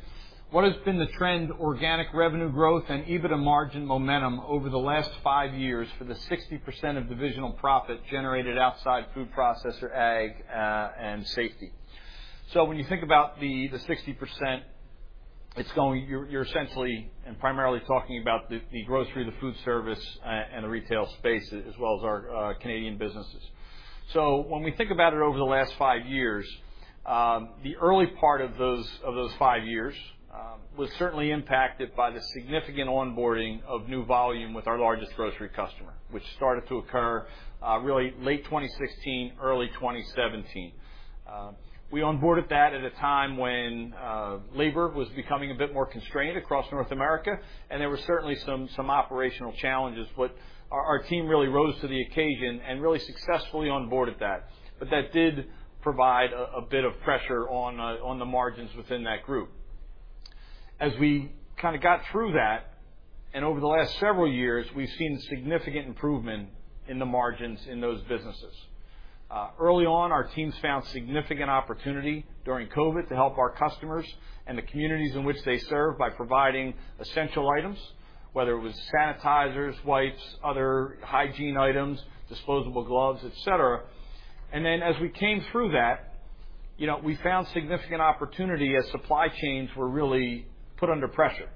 What has been the trend, organic revenue growth and EBITDA margin momentum over the last five years for the 60% of divisional profit generated outside Food Processor, Ag, and Safety? When you think about the 60%, You're essentially and primarily talking about the grocery, the food service and the retail space, as well as our Canadian businesses. When we think about it over the last five years, the early part of those five years was certainly impacted by the significant onboarding of new volume with our largest grocery customer, which started to occur really late 2016, early 2017. We onboarded that at a time when labor was becoming a bit more constrained across North America, there were certainly some operational challenges, but our team really rose to the occasion and really successfully onboarded that. That did provide a bit of pressure on the margins within that group. As we kind of got through that, and over the last several years, we've seen significant improvement in the margins in those businesses. Early on, our teams found significant opportunity during COVID to help our customers and the communities in which they serve by providing essential items, whether it was sanitizers, wipes, other hygiene items, disposable gloves, et cetera. Then, as we came through that, you know, we found significant opportunity as supply chains were really put under pressure.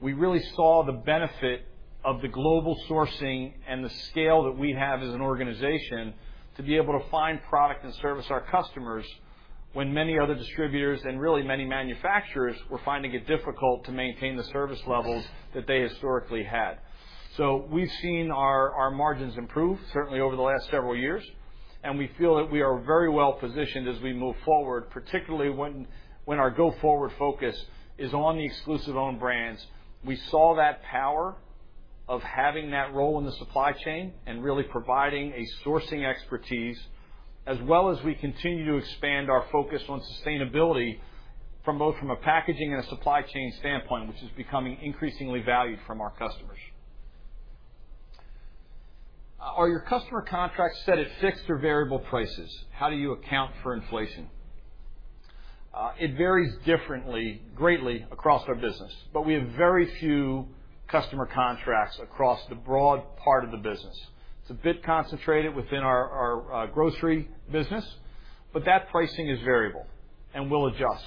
We really saw the benefit of the global sourcing and the scale that we have as an organization to be able to find product and service our customers, when many other distributors and really many manufacturers were finding it difficult to maintain the service levels that they historically had. We've seen our margins improve, certainly over the last several years, and we feel that we are very well positioned as we move forward, particularly when our go-forward focus is on the exclusive own brands. We saw that power of having that role in the supply chain and really providing a sourcing expertise, as well as we continue to expand our focus on sustainability from both a packaging and a supply chain standpoint, which is becoming increasingly valued from our customers. Are your customer contracts set at fixed or variable prices? How do you account for inflation? It varies differently, greatly across our business, but we have very few customer contracts across the broad part of the business. It's a bit concentrated within our grocery business, but that pricing is variable and will adjust.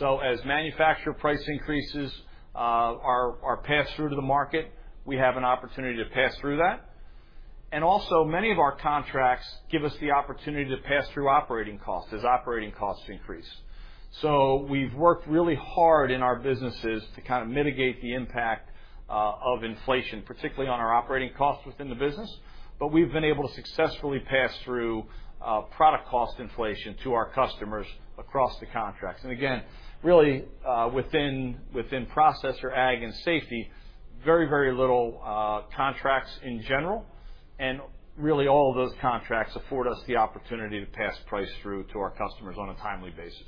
As manufacturer price increases are passed through to the market, we have an opportunity to pass through that. Also, many of our contracts give us the opportunity to pass through operating costs as operating costs increase. We've worked really hard in our businesses to kind of mitigate the impact of inflation, particularly on our operating costs within the business, but we've been able to successfully pass through product cost inflation to our customers across the contracts. Again, really, within Processor, Ag, and Safety, very little contracts in general, and really, all of those contracts afford us the opportunity to pass price through to our customers on a timely basis.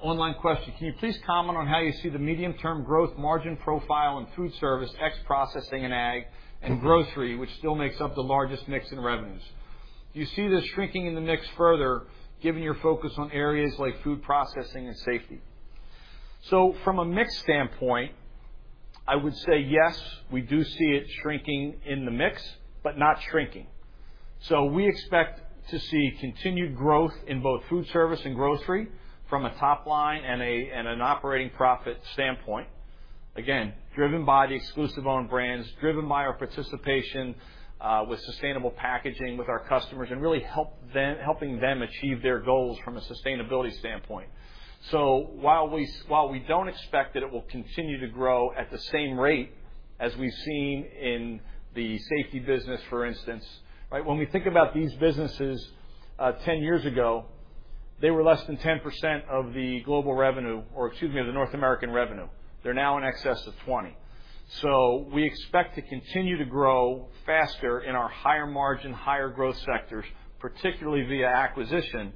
Online question: Can you please comment on how you see the medium-term growth margin profile and food service, ex processing and Ag, and grocery, which still makes up the largest mix in revenues? Do you see this shrinking in the mix further, given your focus on areas like Food Processing and Safety? From a mix standpoint, I would say yes, we do see it shrinking in the mix, but not shrinking. We expect to see continued growth in both food service and grocery from a top line and an operating profit standpoint. Driven by the exclusive own brands, driven by our participation with sustainable packaging with our customers, and really helping them achieve their goals from a sustainability standpoint. While we don't expect that it will continue to grow at the same rate as we've seen in the Safety business, for instance, right? When we think about these businesses, 10 years ago, they were less than 10% of the global revenue, or excuse me, the North American revenue. They're now in excess of 20%. We expect to continue to grow faster in our higher-margin, higher-growth sectors, particularly via acquisition,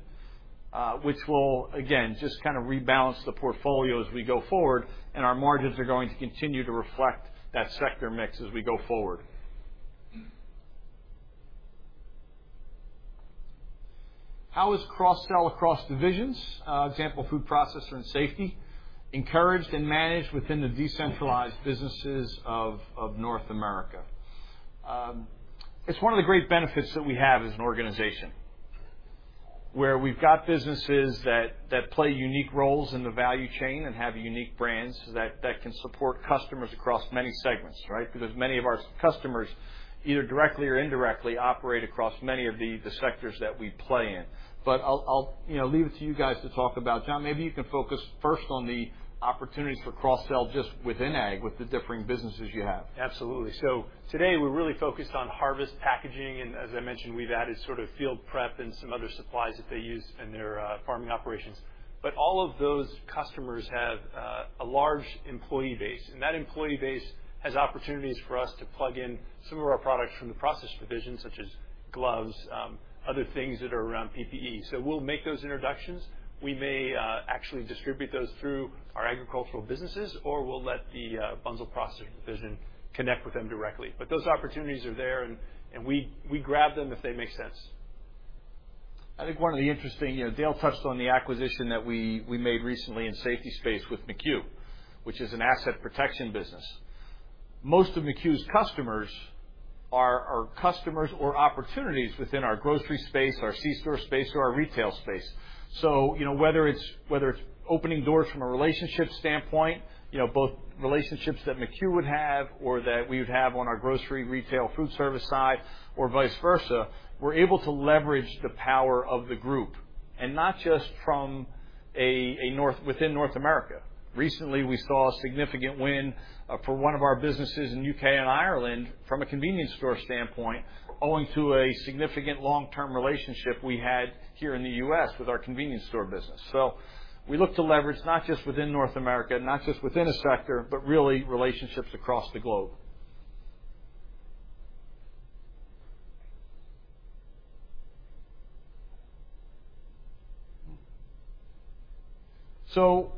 which will, again, just kind of rebalance the portfolio as we go forward, and our margins are going to continue to reflect that sector mix as we go forward. How is cross-sell across divisions, example, Food Processor and Safety, encouraged and managed within the decentralized businesses of North America? It's one of the great benefits that we have as an organization, where we've got businesses that play unique roles in the value chain and have unique brands that can support customers across many segments, right? Many of our customers, either directly or indirectly, operate across many of the sectors that we play in. I'll, you know, leave it to you guys to talk about. John, maybe you can focus first on the opportunities for cross-sell just within ag, with the differing businesses you have. Absolutely. Today, we're really focused on harvest packaging, and as I mentioned, we've added sort of field prep and some other supplies that they use in their farming operations. All of those customers have a large employee base, and that employee base has opportunities for us to plug in some of our products from the Processor Division, such as gloves, other things that are around PPE. We'll make those introductions. We may actually distribute those through our Agriculture businesses, or we'll let the Bunzl Processor Division connect with them directly. Those opportunities are there, and we grab them if they make sense. I think one of the interesting, you know, Dale touched on the acquisition that we made recently in safety space with McCue, which is an asset protection business. Most of McCue's customers are customers or opportunities within our grocery space, our C-store space, or our retail space. You know, whether it's opening doors from a relationship standpoint, you know, both relationships that McCue would have or that we would have on our grocery, retail, food service side, or vice versa, we're able to leverage the power of the group, and not just from a within North America. Recently, we saw a significant win for one of our businesses in U.K. and Ireland from a convenience store standpoint, owing to a significant long-term relationship we had here in the U.S. with our convenience store business. We look to leverage not just within North America, not just within a sector, but really, relationships across the globe.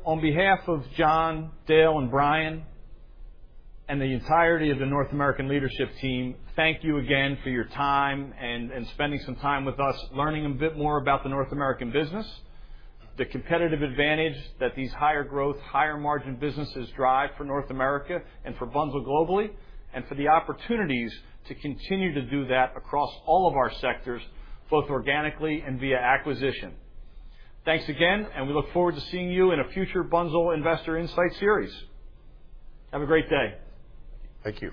On behalf of John, Dale, and Bryon, and the entirety of the North American leadership team, thank you again for your time and spending some time with us, learning a bit more about the North American business, the competitive advantage that these higher-growth, higher-margin businesses drive for North America and for Bunzl globally, and for the opportunities to continue to do that across all of our sectors, both organically and via acquisition. Thanks again, and we look forward to seeing you in a future Bunzl Insight Series. Have a great day. Thank you.